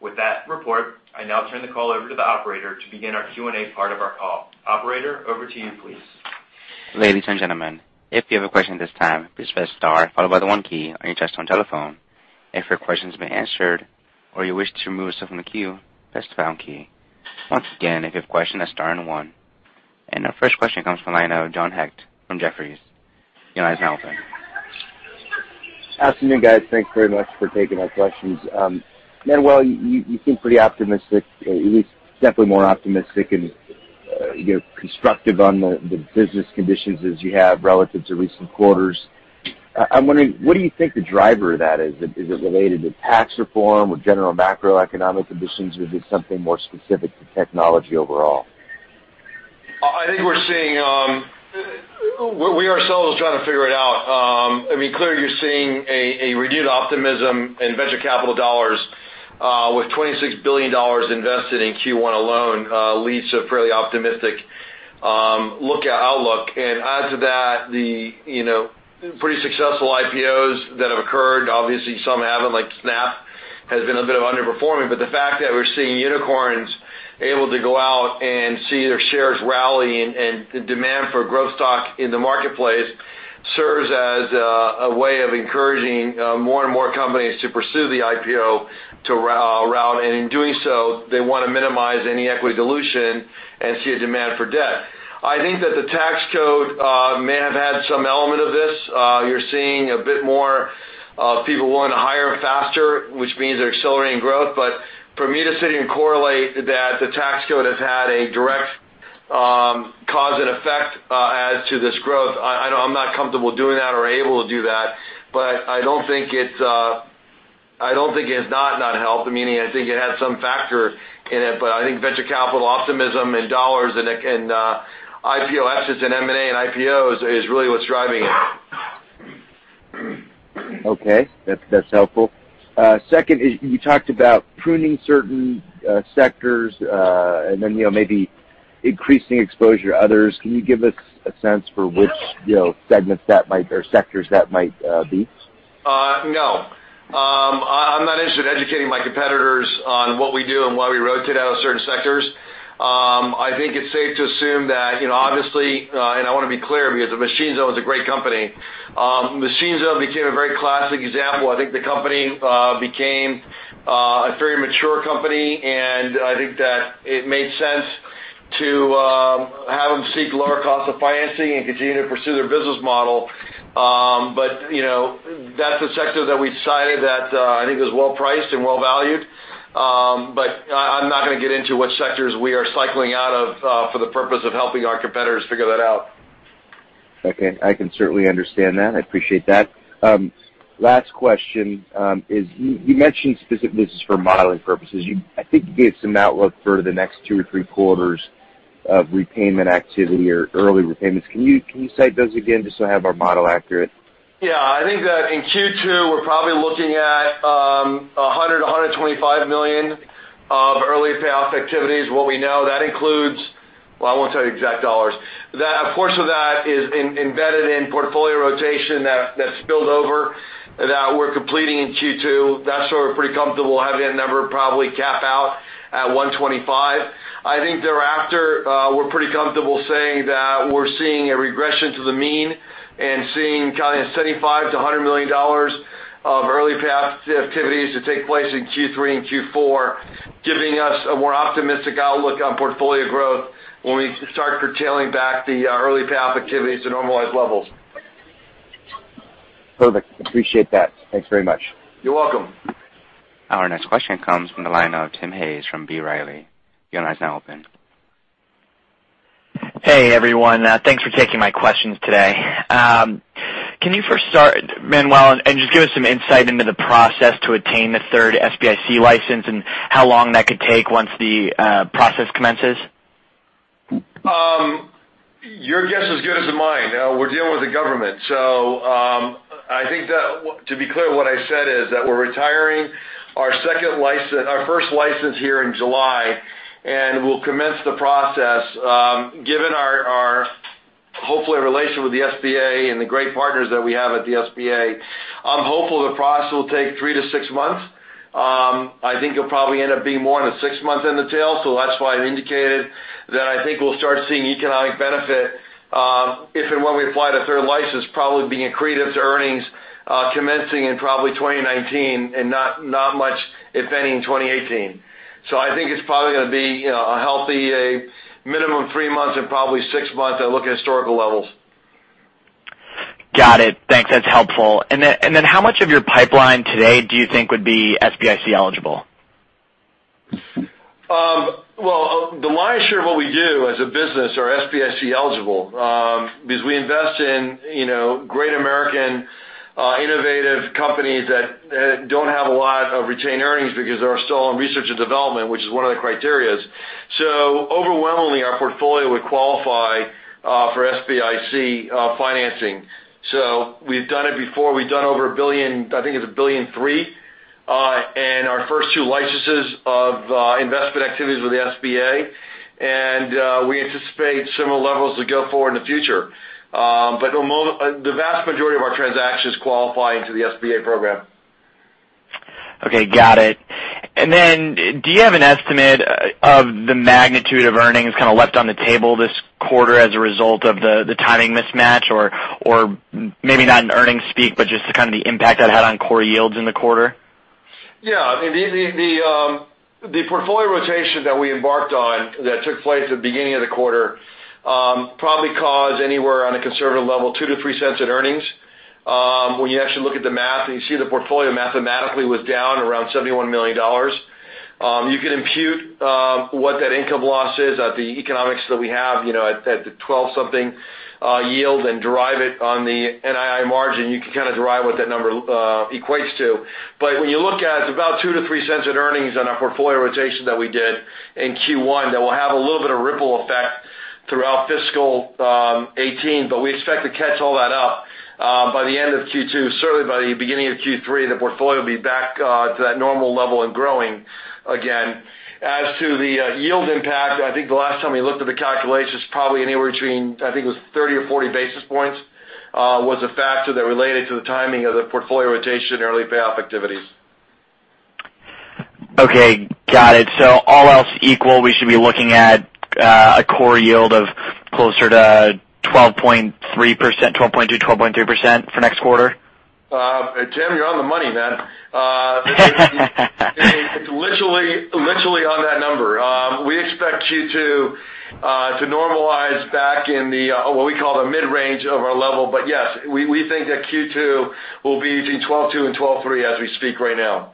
With that report, I now turn the call over to the operator to begin our Q&A part of our call. Operator, over to you, please. Ladies and gentlemen, if you have a question at this time, please press star followed by the one key on your touchtone telephone. If your question has been answered or you wish to remove yourself from the queue, press the pound key. Once again, if you have a question, that's star and one. Our first question comes from the line of John Hecht from Jefferies. Your line is now open. Afternoon, guys. Thanks very much for taking our questions. Manuel Henriquez, you seem pretty optimistic, at least definitely more optimistic and constructive on the business conditions as you have relative to recent quarters. I'm wondering, what do you think the driver of that is? Is it related to tax reform or general macroeconomic conditions, or is it something more specific to technology overall? I think we're seeing-- We ourselves are trying to figure it out. I mean, clearly, you're seeing a renewed optimism in venture capital dollars with $26 billion invested in Q1 alone leads a fairly optimistic outlook. Add to that the pretty successful IPOs that have occurred. Obviously, some haven't. Like Snap has been a bit of underperforming. The fact that we're seeing unicorns able to go out and see their shares rally and demand for growth stock in the marketplace serves as a way of encouraging more and more companies to pursue the IPO route. In doing so, they want to minimize any equity dilution and see a demand for debt. I think that the tax code may have had some element of this. You're seeing a bit more of people wanting to hire faster, which means they're accelerating growth. For me to sit and correlate that the tax code has had a direct cause and effect add to this growth, I'm not comfortable doing that or able to do that. I don't think it has not helped. Meaning I think it has some factor in it, but I think venture capital optimism and dollars and IPO assets and M&A and IPOs is really what's driving it. Okay. That's helpful. Second, you talked about pruning certain sectors, then maybe increasing exposure to others. Can you give us a sense for which segments that might, or sectors that might be? No. I'm not interested in educating my competitors on what we do and why we rotate out of certain sectors. I think it's safe to assume that obviously, I want to be clear because Machine Zone is a great company. Machine Zone became a very classic example. I think the company became a very mature company, and I think that it made sense to have them seek lower cost of financing and continue to pursue their business model. That's a sector that we decided that I think is well-priced and well-valued. I'm not going to get into what sectors we are cycling out of for the purpose of helping our competitors figure that out. Okay. I can certainly understand that. I appreciate that. Last question is, you mentioned specifically this is for modeling purposes. I think you gave some outlook for the next two or three quarters of repayment activity or early repayments. Can you cite those again, just so I have our model accurate? Yeah. I think that in Q2, we're probably looking at $100 million, $125 million of early payoff activities. What we know, that includes Well, I won't tell you exact dollars. A portion of that is embedded in portfolio rotation that spilled over, that we're completing in Q2. That's where we're pretty comfortable having that number probably cap out at $125 million. I think thereafter, we're pretty comfortable saying that we're seeing a regression to the mean and seeing kind of $75 million-$100 million of early payoff activities to take place in Q3 and Q4, giving us a more optimistic outlook on portfolio growth when we start curtailing back the early payoff activities to normalized levels. Perfect. Appreciate that. Thanks very much. You're welcome. Our next question comes from the line of Tim Hayes from B. Riley. Your line is now open. Hey, everyone. Thanks for taking my questions today. Can you first start, Manuel, and just give us some insight into the process to attain the third SBIC license and how long that could take once the process commences? Your guess is as good as mine. We're dealing with the government. I think that, to be clear, what I said is that we're retiring our first license here in July, and we'll commence the process. Given our Hopefully a relation with the SBA and the great partners that we have at the SBA. I'm hopeful the process will take 3 to 6 months. I think it'll probably end up being more in the 6 months in the tail, that's why I've indicated that I think we'll start seeing economic benefit, if and when we apply to third license, probably being accretive to earnings, commencing in probably 2019 and not much, if any, in 2018. I think it's probably going to be a healthy minimum 3 months and probably 6 months. I look at historical levels. Got it. Thanks. That's helpful. How much of your pipeline today do you think would be SBIC eligible? Well, the lion's share of what we do as a business are SBIC eligible, because we invest in great American, innovative companies that don't have a lot of retained earnings because they are still in research and development, which is one of the criteria. Overwhelmingly, our portfolio would qualify for SBIC financing. We've done it before. We've done over $1 billion, I think it's $1.3 billion, and our first two licenses of investment activities with the SBA. We anticipate similar levels as we go forward in the future. The vast majority of our transactions qualify into the SBA program. Okay, got it. Do you have an estimate of the magnitude of earnings kind of left on the table this quarter as a result of the timing mismatch? Or maybe not in earnings speak, but just kind of the impact that had on core yields in the quarter? Yeah. The portfolio rotation that we embarked on that took place at the beginning of the quarter, probably caused anywhere on a conservative level, $0.02-$0.03 in earnings. When you actually look at the math and you see the portfolio mathematically was down around $71 million. You could impute what that income loss is at the economics that we have at the 12-something yield and derive it on the NII margin. You can kind of derive what that number equates to. When you look at it's about $0.02-$0.03 in earnings on our portfolio rotation that we did in Q1 that will have a little bit of ripple effect throughout fiscal 2018. We expect to catch all that up by the end of Q2. Certainly, by the beginning of Q3, the portfolio will be back to that normal level and growing again. As to the yield impact, I think the last time we looked at the calculations, probably anywhere between, I think it was 30 or 40 basis points, was a factor that related to the timing of the portfolio rotation and early payoff activities. Okay, got it. All else equal, we should be looking at a core yield of closer to 12.2%-12.3% for next quarter? Tim, you're on the money, man. It's literally on that number. We expect Q2 to normalize back in the, what we call the mid-range of our level. Yes, we think that Q2 will be between 12.2% and 12.3% as we speak right now.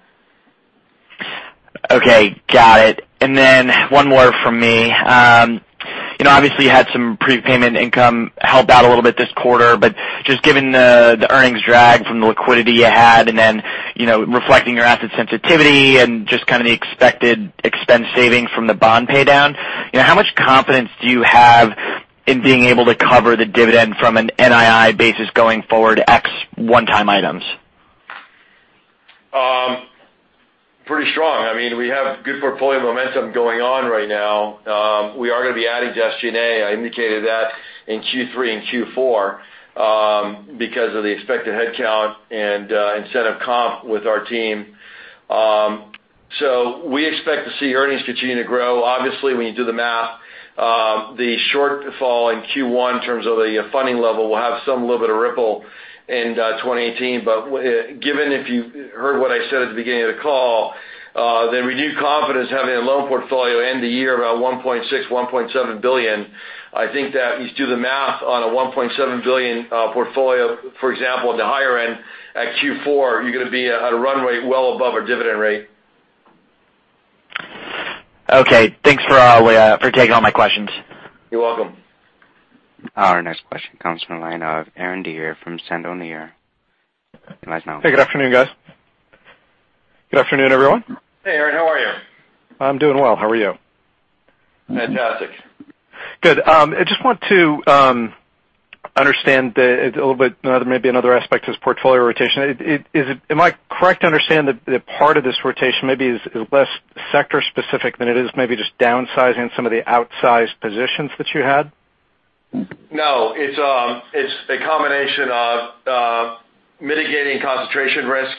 Okay, got it. One more from me. Obviously you had some prepayment income help out a little bit this quarter, but just given the earnings drag from the liquidity you had and then reflecting your asset sensitivity and just kind of the expected expense savings from the bond pay down, how much confidence do you have in being able to cover the dividend from an NII basis going forward ex one-time items? Pretty strong. We have good portfolio momentum going on right now. We are going to be adding to SG&A. I indicated that in Q3 and Q4, because of the expected headcount and incentive comp with our team. We expect to see earnings continue to grow. Obviously, when you do the math, the shortfall in Q1 in terms of the funding level will have some little bit of ripple in 2018. Given if you heard what I said at the beginning of the call, the renewed confidence having a loan portfolio end the year around $1.6 billion, $1.7 billion. I think that if you do the math on a $1.7 billion portfolio, for example, at the higher end at Q4, you're going to be at a runway well above our dividend rate. Okay. Thanks for taking all my questions. You're welcome. Our next question comes from the line of Aaron Deer from Sandler O'Neill. The line's now open. Hey, good afternoon, guys. Good afternoon, everyone. Hey, Aaron. How are you? I'm doing well. How are you? Fantastic. Good. I just want to understand a little bit maybe another aspect of this portfolio rotation. Am I correct to understand that part of this rotation maybe is less sector specific than it is maybe just downsizing some of the outsized positions that you had? No. It's a combination of mitigating concentration risk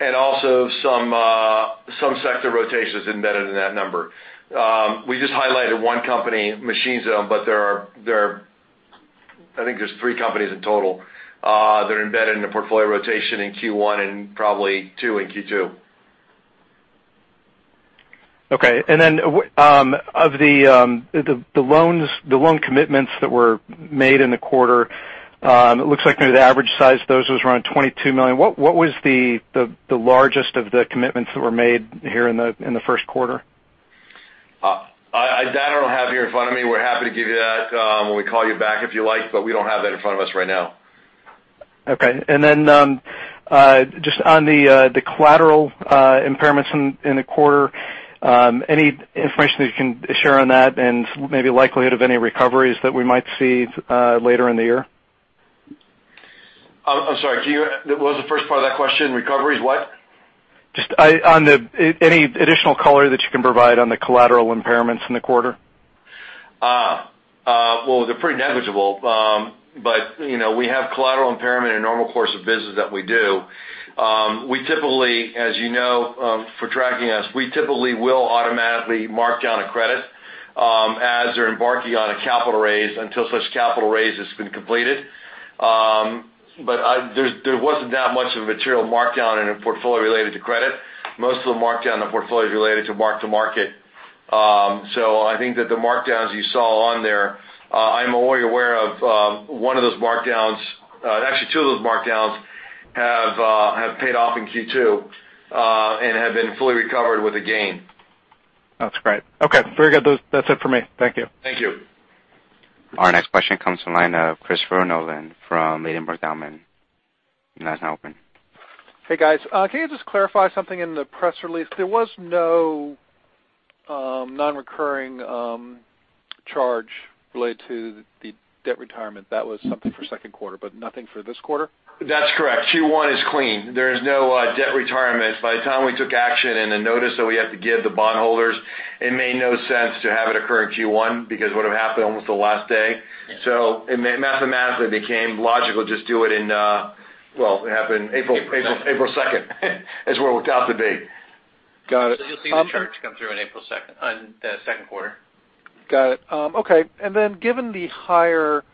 and also some sector rotation is embedded in that number. We just highlighted one company, MachineZone, but I think there's three companies in total that are embedded in the portfolio rotation in Q1 and probably two in Q2. Okay. Of the loan commitments that were made in the quarter, it looks like maybe the average size of those was around $22 million. What was the largest of the commitments that were made here in the first quarter? That I don't have here in front of me. We're happy to give you that when we call you back, if you like. We don't have that in front of us right now. Okay. Then, just on the collateral impairments in the quarter, any information that you can share on that and maybe likelihood of any recoveries that we might see later in the year? I'm sorry. What was the first part of that question? Recoveries what? Just any additional color that you can provide on the collateral impairments in the quarter. Well, they're pretty negligible. We have collateral impairment in the normal course of business that we do. As you know, for tracking us, we typically will automatically mark down a credit as they're embarking on a capital raise until such capital raise has been completed. There wasn't that much of a material markdown in a portfolio related to credit. Most of the markdown in the portfolio is related to mark-to-market. I think that the markdowns you saw on there, I'm only aware of one of those markdowns, actually two of those markdowns have paid off in Q2 and have been fully recovered with a gain. That's great. Okay, very good. That's it for me. Thank you. Thank you. Our next question comes from the line of Christopher Nolan from Ladenburg Thalmann. Your line is now open. Hey, guys. Can you just clarify something in the press release? There was no non-recurring charge related to the debt retirement. That was something for second quarter, but nothing for this quarter? That's correct. Q1 is clean. There is no debt retirement. By the time we took action and the notice that we have to give the bondholders, it made no sense to have it occur in Q1 because it would've happened almost the last day. It mathematically became logical to just do it in, well, it happened April 2nd- is where it worked out to be. Got it. You'll see the charge come through on April 2nd, on the second quarter. Got it. Okay. Given the higher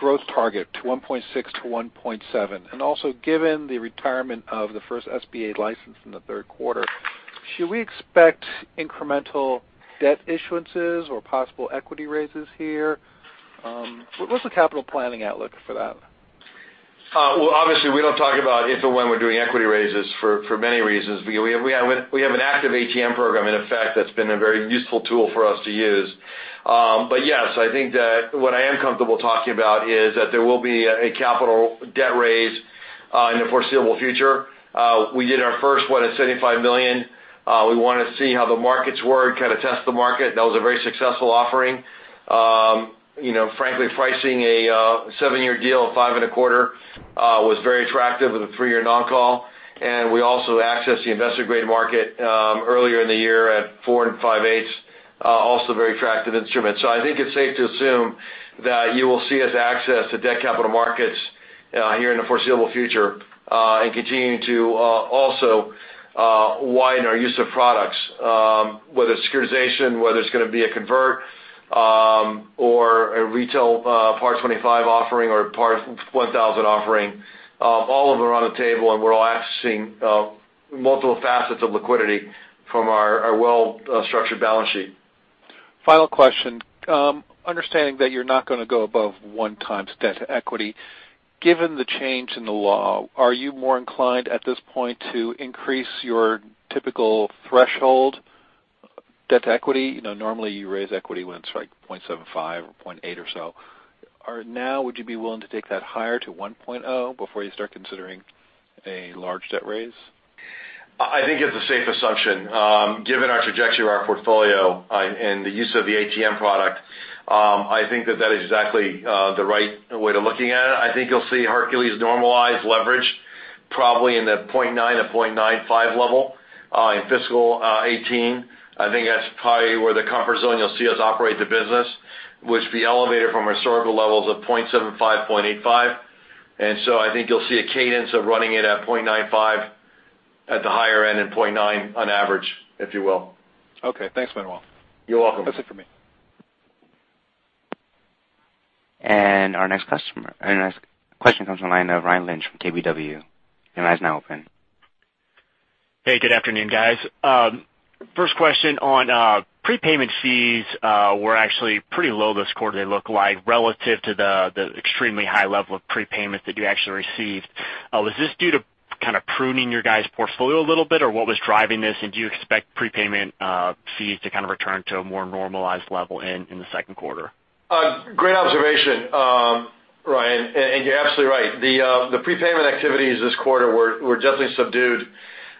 growth target to 1.6 to 1.7, and also given the retirement of the first SBA license in the third quarter, should we expect incremental debt issuances or possible equity raises here? What's the capital planning outlook for that? Obviously, we don't talk about if and when we're doing equity raises for many reasons, because we have an active ATM program in effect that's been a very useful tool for us to use. Yes, I think that what I am comfortable talking about is that there will be a capital debt raise in the foreseeable future. We did our first one at $75 million. We wanted to see how the markets were, kind of test the market. That was a very successful offering. Frankly, pricing a seven-year deal of five and a quarter was very attractive with a three-year non-call. We also accessed the investor-grade market earlier in the year at four and five eighths. Also very attractive instrument. I think it's safe to assume that you will see us access to debt capital markets here in the foreseeable future, and continuing to also widen our use of products. Whether it's securitization, whether it's going to be a convert, or a retail par 25 offering or par 1,000 offering. All of them are on the table, and we're all accessing multiple facets of liquidity from our well-structured balance sheet. Final question. Understanding that you're not going to go above one times debt to equity, given the change in the law, are you more inclined at this point to increase your typical threshold debt to equity? Normally you raise equity when it's 0.75 or 0.8 or so. Now, would you be willing to take that higher to 1.0 before you start considering a large debt raise? I think it's a safe assumption. Given our trajectory of our portfolio and the use of the ATM product, I think that that is exactly the right way to looking at it. I think you'll see Hercules normalize leverage probably in the 0.9 to 0.95 level in fiscal 2018. I think that's probably where the comfort zone you'll see us operate the business, which will be elevated from historical levels of 0.75, 0.85. I think you'll see a cadence of running it at 0.95 at the higher end and 0.9 on average, if you will. Okay. Thanks, Manuel. You're welcome. That's it for me. Our next question comes from the line of Ryan Lynch from KBW. Your line is now open. Hey, good afternoon, guys. First question on prepayment fees were actually pretty low this quarter it looked like relative to the extremely high level of prepayment that you actually received. Was this due to kind of pruning your guys' portfolio a little bit, or what was driving this, and do you expect prepayment fees to kind of return to a more normalized level in the second quarter? Great observation, Ryan, and you're absolutely right. The prepayment activities this quarter were definitely subdued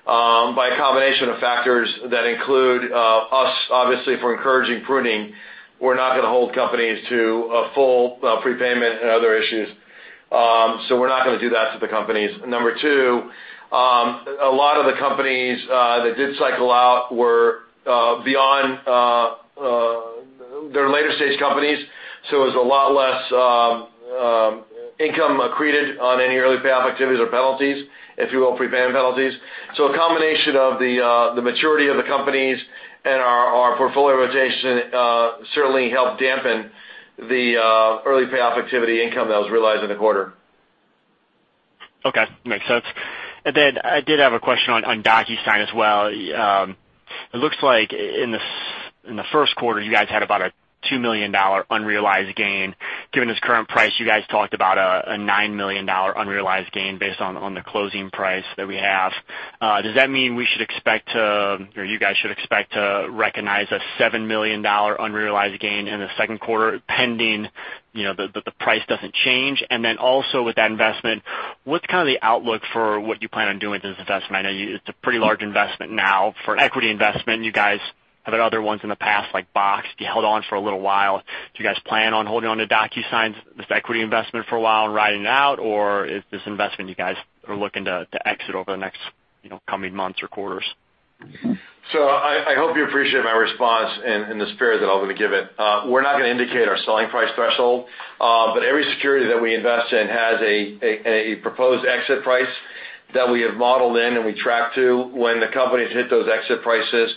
by a combination of factors that include us, obviously, if we're encouraging pruning, we're not going to hold companies to a full prepayment and other issues. We're not going to do that to the companies. Number 2, a lot of the companies that did cycle out were beyond, they're later stage companies, so it was a lot less income accreted on any early payoff activities or penalties, if you will, prepayment penalties. A combination of the maturity of the companies and our portfolio rotation certainly helped dampen the early payoff activity income that was realized in the quarter. Okay. Makes sense. I did have a question on DocuSign as well. It looks like in the first quarter, you guys had about a $2 million unrealized gain. Given this current price, you guys talked about a $9 million unrealized gain based on the closing price that we have. Does that mean we should expect, or you guys should expect to recognize a $7 million unrealized gain in the second quarter pending that the price doesn't change? Also with that investment, what's kind of the outlook for what you plan on doing with this investment? I know it's a pretty large investment now for an equity investment. You guys have had other ones in the past, like Box. You held on for a little while. Do you guys plan on holding onto DocuSign's equity investment for a while and riding it out, or is this investment you guys are looking to exit over the next coming months or quarters? I hope you appreciate my response in the spirit that I'm going to give it. We're not going to indicate our selling price threshold. Every security that we invest in has a proposed exit price that we have modeled in and we track to. When the companies hit those exit prices,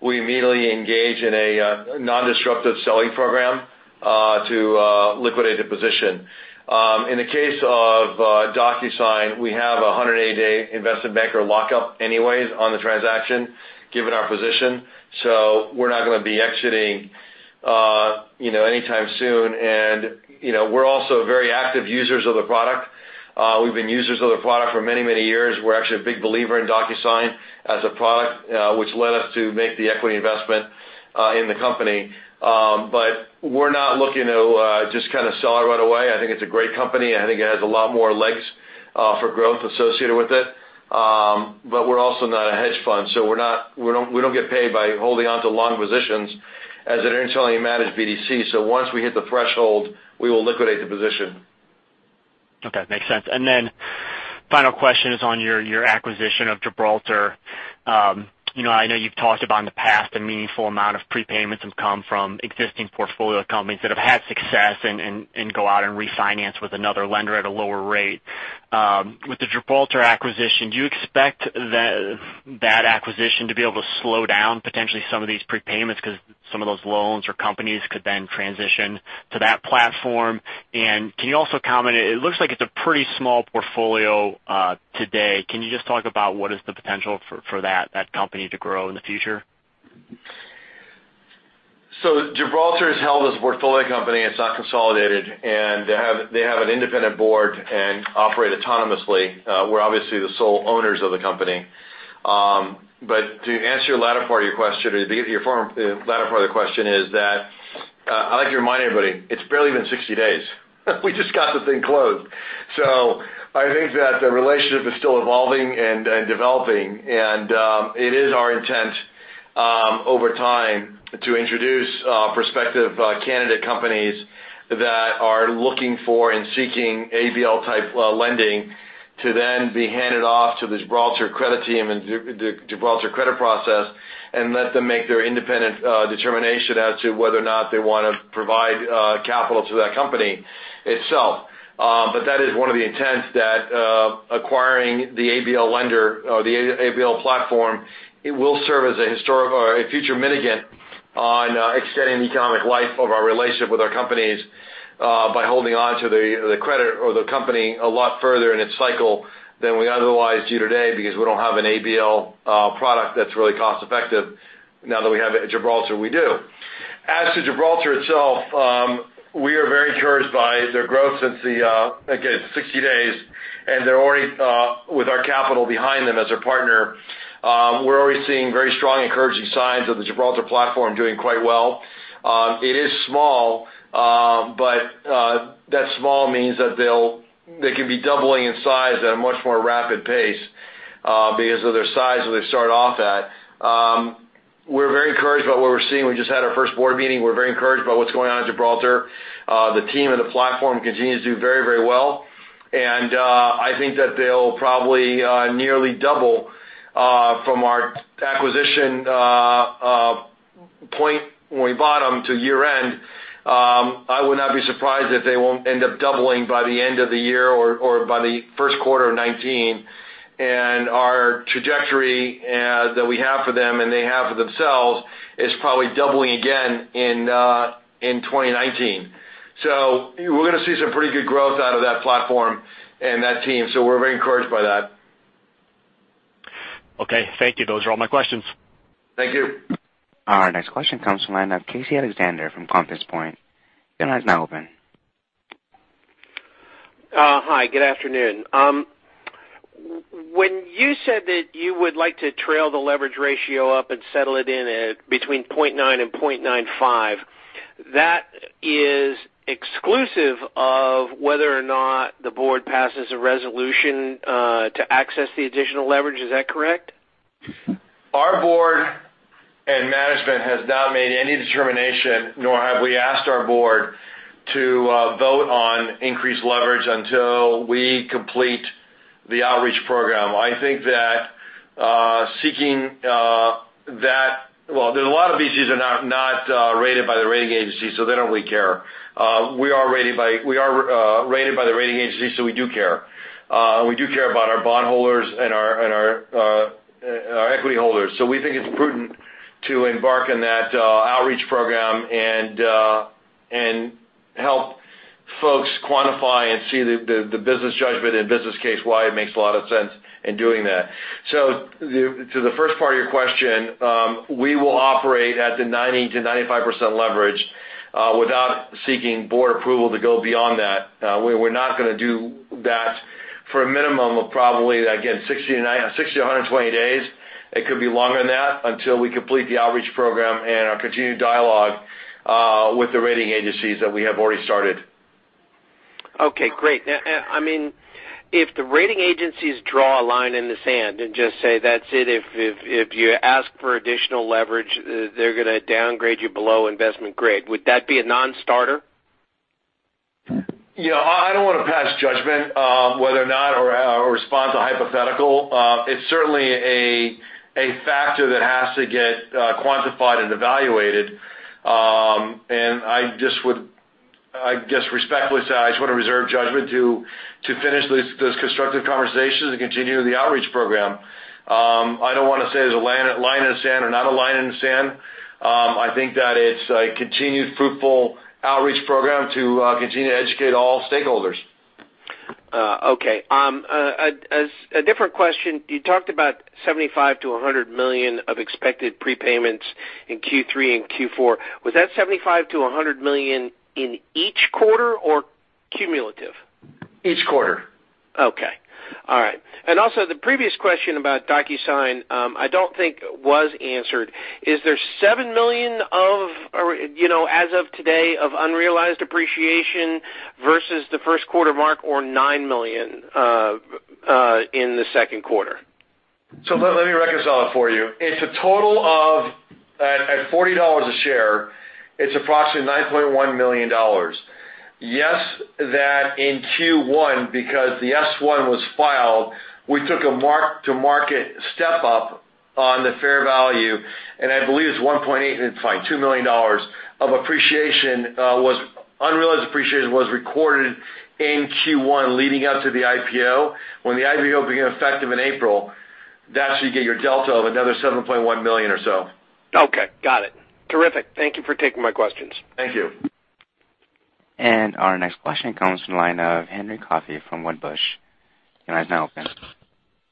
we immediately engage in a non-disruptive selling program, to liquidate the position. In the case of DocuSign, we have a 180-day investment banker lockup anyways on the transaction, given our position. We're not going to be exiting anytime soon. We're also very active users of the product. We've been users of the product for many, many years. We're actually a big believer in DocuSign as a product, which led us to make the equity investment in the company. We're not looking to just kind of sell it right away. I think it's a great company, I think it has a lot more legs for growth associated with it. We're also not a hedge fund, we don't get paid by holding onto long positions as an internally managed BDC. Once we hit the threshold, we will liquidate the position. Okay. Makes sense. Final question is on your acquisition of Gibraltar. I know you've talked about in the past, a meaningful amount of prepayments have come from existing portfolio companies that have had success and go out and refinance with another lender at a lower rate. With the Gibraltar acquisition, do you expect that acquisition to be able to slow down potentially some of these prepayments because some of those loans or companies could then transition to that platform? Can you also comment, it looks like it's a pretty small portfolio today. Can you just talk about what is the potential for that company to grow in the future? Gibraltar is held as a portfolio company. It's not consolidated, they have an independent board and operate autonomously. We're obviously the sole owners of the company. To answer the latter part of your question is that, I like to remind everybody, it's barely been 60 days. We just got the thing closed. I think that the relationship is still evolving and developing. It is our intent, over time, to introduce prospective candidate companies that are looking for and seeking ABL-type lending to then be handed off to the Gibraltar credit team and the Gibraltar credit process and let them make their independent determination as to whether or not they want to provide capital to that company itself. That is one of the intents that acquiring the ABL lender or the ABL platform, it will serve as a future mitigant on extending the economic life of our relationship with our companies, by holding onto the credit or the company a lot further in its cycle than we otherwise do today because we don't have an ABL product that's really cost-effective. Now that we have Gibraltar, we do. As to Gibraltar itself, we are very encouraged by their growth since the, again, 60 days, and they're already with our capital behind them as their partner. We're already seeing very strong, encouraging signs of the Gibraltar platform doing quite well. It is small, but that small means that they can be doubling in size at a much more rapid pace, because of their size that they start off at. We're very encouraged by what we're seeing. We just had our first board meeting. We're very encouraged by what's going on at Gibraltar. The team and the platform continues to do very well, and I think that they'll probably nearly double from our acquisition point when we bought them to year-end. I would not be surprised if they won't end up doubling by the end of the year or by the first quarter of 2019. Our trajectory that we have for them and they have for themselves is probably doubling again in 2019. We're going to see some pretty good growth out of that platform and that team, so we're very encouraged by that. Okay. Thank you. Those are all my questions. Thank you. Our next question comes from the line of Casey Alexander from Compass Point. Your line is now open. Hi, good afternoon. When you said that you would like to trail the leverage ratio up and settle it in at between 0.9 and 0.95, that is exclusive of whether or not the board passes a resolution to access the additional leverage, is that correct? Our board and management has not made any determination, nor have we asked our board to vote on increased leverage until we complete the outreach program. I think that well, there's a lot of VCs are not rated by the rating agencies, so they don't really care. We are rated by the rating agencies, so we do care. We do care about our bondholders and our equity holders. We think it's prudent to embark on that outreach program and help folks quantify and see the business judgment and business case why it makes a lot of sense in doing that. To the first part of your question, we will operate at the 90%-95% leverage without seeking board approval to go beyond that. We're not going to do that for a minimum of probably, again, 60-120 days. It could be longer than that until we complete the outreach program and our continued dialogue with the rating agencies that we have already started. Okay, great. If the rating agencies draw a line in the sand and just say, "That's it. If you ask for additional leverage, they're going to downgrade you below investment grade." Would that be a non-starter? I don't want to pass judgment whether or not, or respond to a hypothetical. It's certainly a factor that has to get quantified and evaluated. I just would respectfully say, I just want to reserve judgment to finish this constructive conversation and continue the outreach program. I don't want to say there's a line in the sand or not a line in the sand. I think that it's a continued fruitful outreach program to continue to educate all stakeholders. Okay. A different question. You talked about $75 million-$100 million of expected prepayments in Q3 and Q4. Was that $75 million-$100 million in each quarter or cumulative? Each quarter. Okay. All right. Also, the previous question about DocuSign, I don't think was answered. Is there $7 million, as of today of unrealized appreciation versus the first quarter mark or $9 million in the second quarter? Let me reconcile it for you. It's a total of, at $40 a share, it's approximately $9.1 million. Yes, that in Q1, because the S-1 was filed, we took a mark-to-market step up on the fair value, and I believe it's $2 million of unrealized appreciation was recorded in Q1 leading up to the IPO. When the IPO became effective in April, that's how you get your delta of another $7.1 million or so. Okay. Got it. Terrific. Thank you for taking my questions. Thank you. Our next question comes from the line of Henry Coffey from Wedbush. Your line's now open.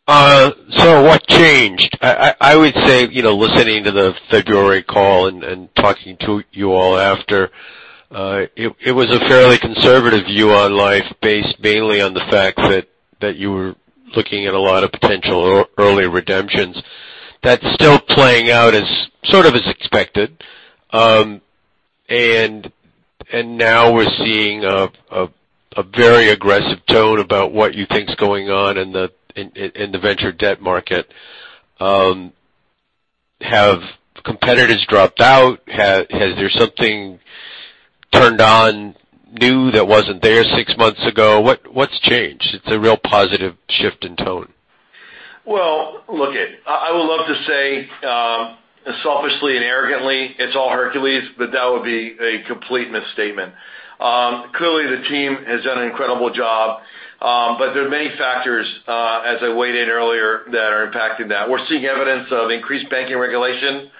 What changed? I would say, listening to the February call and talking to you all after, it was a fairly conservative view on life based mainly on the fact that you were looking at a lot of potential early redemptions. That's still playing out sort of as expected. Now we're seeing a very aggressive tone about what you think is going on in the venture debt market. Have competitors dropped out? Has there something turned on new that wasn't there six months ago? What's changed? It's a real positive shift in tone. Look. I would love to say, selfishly and arrogantly, it's all Hercules, but that would be a complete misstatement. Clearly, the team has done an incredible job. There are many factors, as I weighed in earlier, that are impacting that. We're seeing evidence of increased banking regulation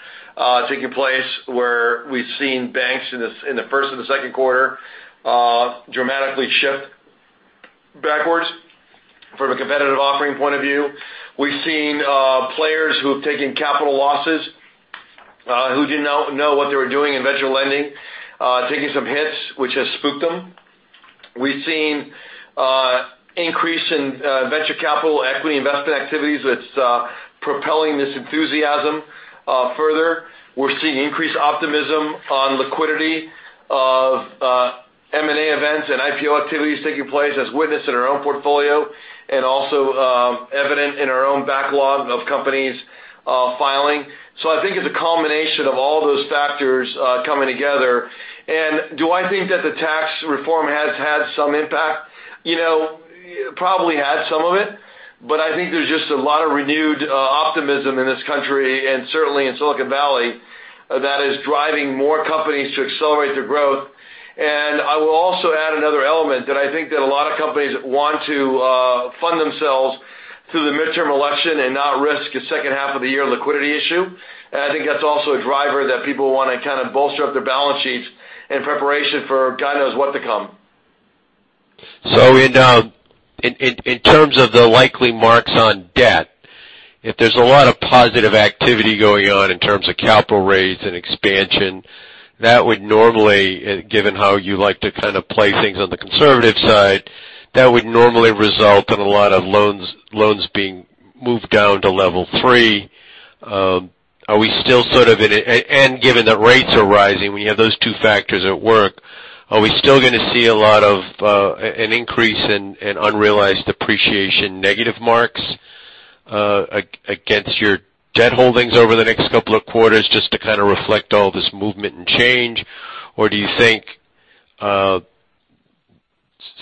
taking place where we've seen banks in the first and the second quarter dramatically shift backwards from a competitive offering point of view. We've seen players who have taken capital losses, who didn't know what they were doing in venture lending, taking some hits, which has spooked them. We've seen increase in venture capital equity investment activities that's propelling this enthusiasm further. We're seeing increased optimism on liquidity of M&A events and IPO activities taking place as witnessed in our own portfolio and also evident in our own backlog of companies filing. I think it's a combination of all those factors coming together. Do I think that the tax reform has had some impact? It probably had some of it, but I think there's just a lot of renewed optimism in this country, and certainly in Silicon Valley, that is driving more companies to accelerate their growth. I will also add another element, that I think that a lot of companies want to fund themselves through the midterm election and not risk a second half of the year liquidity issue. I think that's also a driver that people want to kind of bolster up their balance sheets in preparation for God knows what to come. In terms of the likely marks on debt, if there's a lot of positive activity going on in terms of capital raise and expansion, given how you like to kind of play things on the conservative side, that would normally result in a lot of loans being moved down to level 3. Given that rates are rising, we have those two factors at work. Are we still going to see an increase in unrealized appreciation negative marks against your debt holdings over the next couple of quarters just to kind of reflect all this movement and change? Or do you think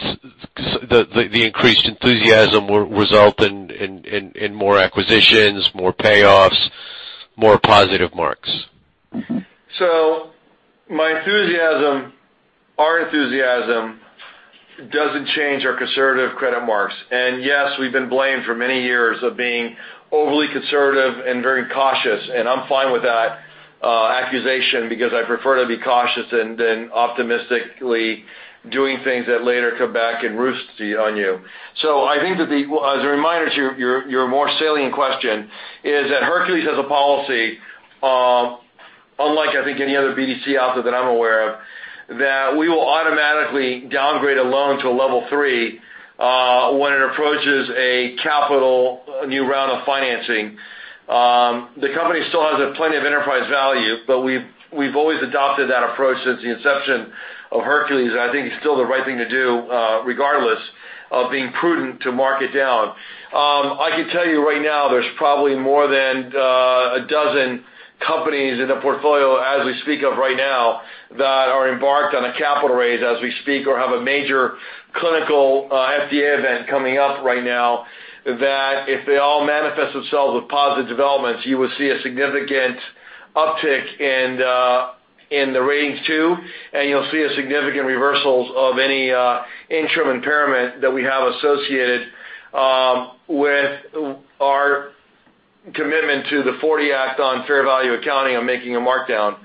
the increased enthusiasm will result in more acquisitions, more payoffs, more positive marks? My enthusiasm, our enthusiasm, doesn't change our conservative credit marks. Yes, we've been blamed for many years of being overly conservative and very cautious. I'm fine with that accusation because I prefer to be cautious than optimistically doing things that later come back and roost on you. I think that as a reminder to your more salient question is that Hercules has a policy, unlike I think any other BDC out there that I'm aware of, that we will automatically downgrade a loan to a level 3 When approaches a capital, a new round of financing. The company still has plenty of enterprise value, but we've always adopted that approach since the inception of Hercules, and I think it's still the right thing to do, regardless of being prudent to mark it down. I can tell you right now, there's probably more than a dozen companies in the portfolio as we speak of right now, that are embarked on a capital raise as we speak, or have a major clinical FDA event coming up right now, that if they all manifest themselves with positive developments, you would see a significant uptick in the ratings too, and you'll see a significant reversals of any interim impairment that we have associated with our commitment to the '40 Act on fair value accounting on making a markdown.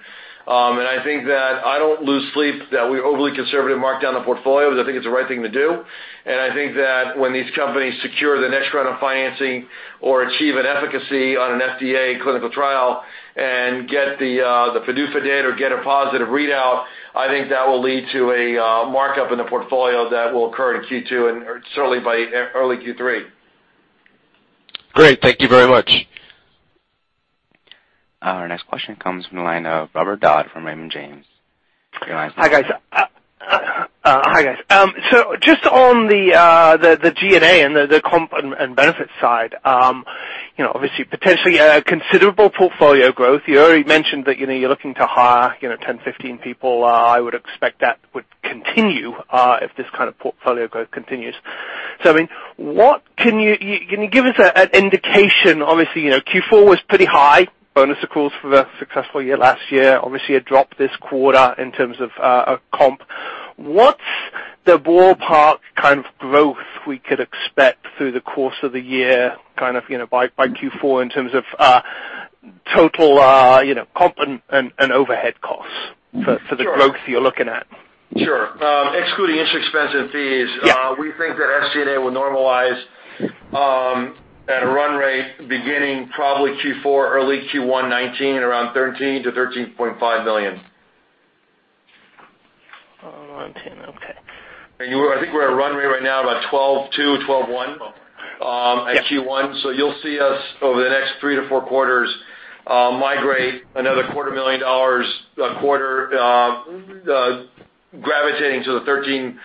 I think that I don't lose sleep that we overly conservative mark down the portfolio, because I think it's the right thing to do. I think that when these companies secure the next round of financing or achieve an efficacy on an FDA clinical trial and get the PDUFA date or get a positive readout, I think that will lead to a markup in the portfolio that will occur in Q2 and certainly by early Q3. Great. Thank you very much. Our next question comes from the line of Robert Dodd from Raymond James. Hi, guys. Just on the G&A and the comp and benefit side. Obviously, potentially a considerable portfolio growth. You already mentioned that you're looking to hire 10, 15 people. I would expect that would continue if this kind of portfolio growth continues. Can you give us an indication? Obviously, Q4 was pretty high. Bonus accruals for the successful year last year. Obviously, a drop this quarter in terms of comp. What's the ballpark kind of growth we could expect through the course of the year by Q4 in terms of total comp and overhead costs for the growth you're looking at? Sure. Excluding interest, expenses and fees. Yeah We think that SG&A will normalize at a run rate beginning probably Q4, early Q1 2019, around $13 million-$13.5 million. Oh, okay. I think we're at a run rate right now about $12.2 million, $12.1 million at Q1. You'll see us over the next three to four quarters migrate another quarter million dollars a quarter gravitating to the $13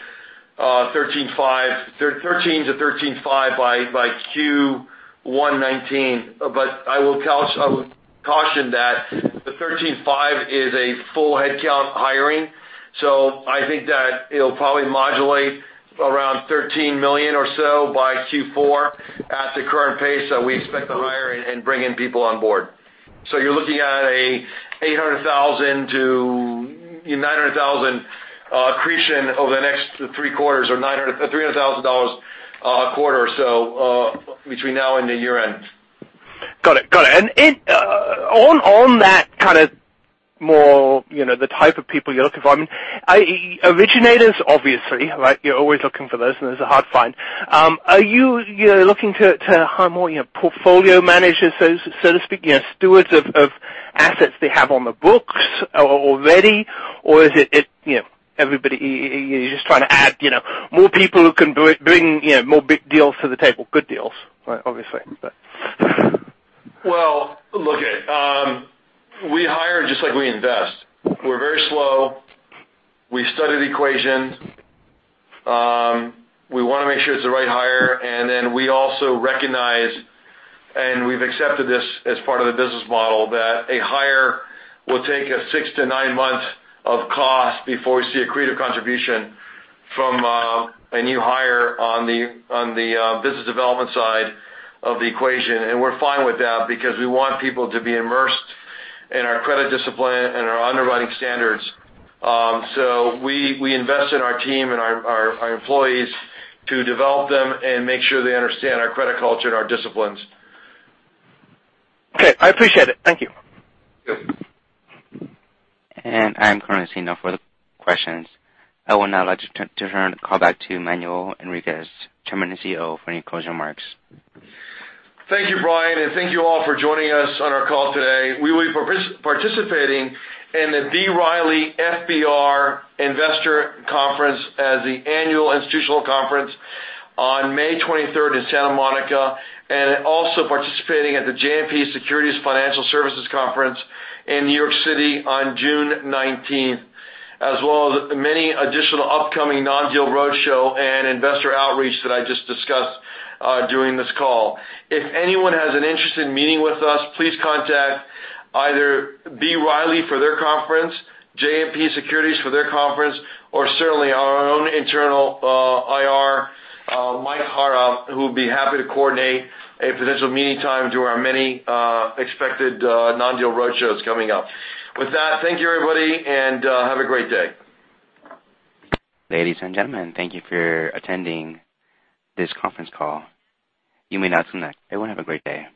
million-$13.5 million by Q1 2019. I would caution that the $13.5 million is a full headcount hiring. I think that it'll probably modulate around $13 million or so by Q4 at the current pace that we expect to hire and bring in people on board. You're looking at a $800,000-$900,000 accretion over the next three quarters or $300,000 a quarter or so between now and the year-end. Got it. On that kind of more the type of people you're looking for. Originators, obviously, right? You're always looking for those, and those are hard to find. Are you looking to hire more portfolio managers, so to speak, stewards of assets they have on the books already? Is it everybody, you're just trying to add more people who can bring more big deals to the table? Good deals, obviously, but. Well, look. We hire just like we invest. We're very slow. We study the equation. We want to make sure it's the right hire. We also recognize, and we've accepted this as part of the business model, that a hire will take a six to nine months of cost before we see accretive contribution from a new hire on the business development side of the equation. We're fine with that because we want people to be immersed in our credit discipline and our underwriting standards. We invest in our team and our employees to develop them and make sure they understand our credit culture and our disciplines. Okay, I appreciate it. Thank you. Good. I'm currently seeing no further questions. I will now like to turn the call back to Manuel Henriquez, Chairman and CEO, for any closing remarks. Thank you, Brian. Thank you all for joining us on our call today. We will be participating in the B. Riley FBR Investor Conference as the annual institutional conference on May 23rd in Santa Monica, also participating at the JMP Securities Financial Services Conference in New York City on June 19th, as well as many additional upcoming non-deal roadshow and investor outreach that I just discussed during this call. If anyone has an interest in meeting with us, please contact either B. Riley for their conference, JMP Securities for their conference, or certainly our own internal IR, Michael Hara, who will be happy to coordinate a potential meeting time during our many expected non-deal roadshows coming up. With that, thank you everybody. Have a great day. Ladies and gentlemen, thank you for attending this conference call. You may now disconnect. Everyone have a great day.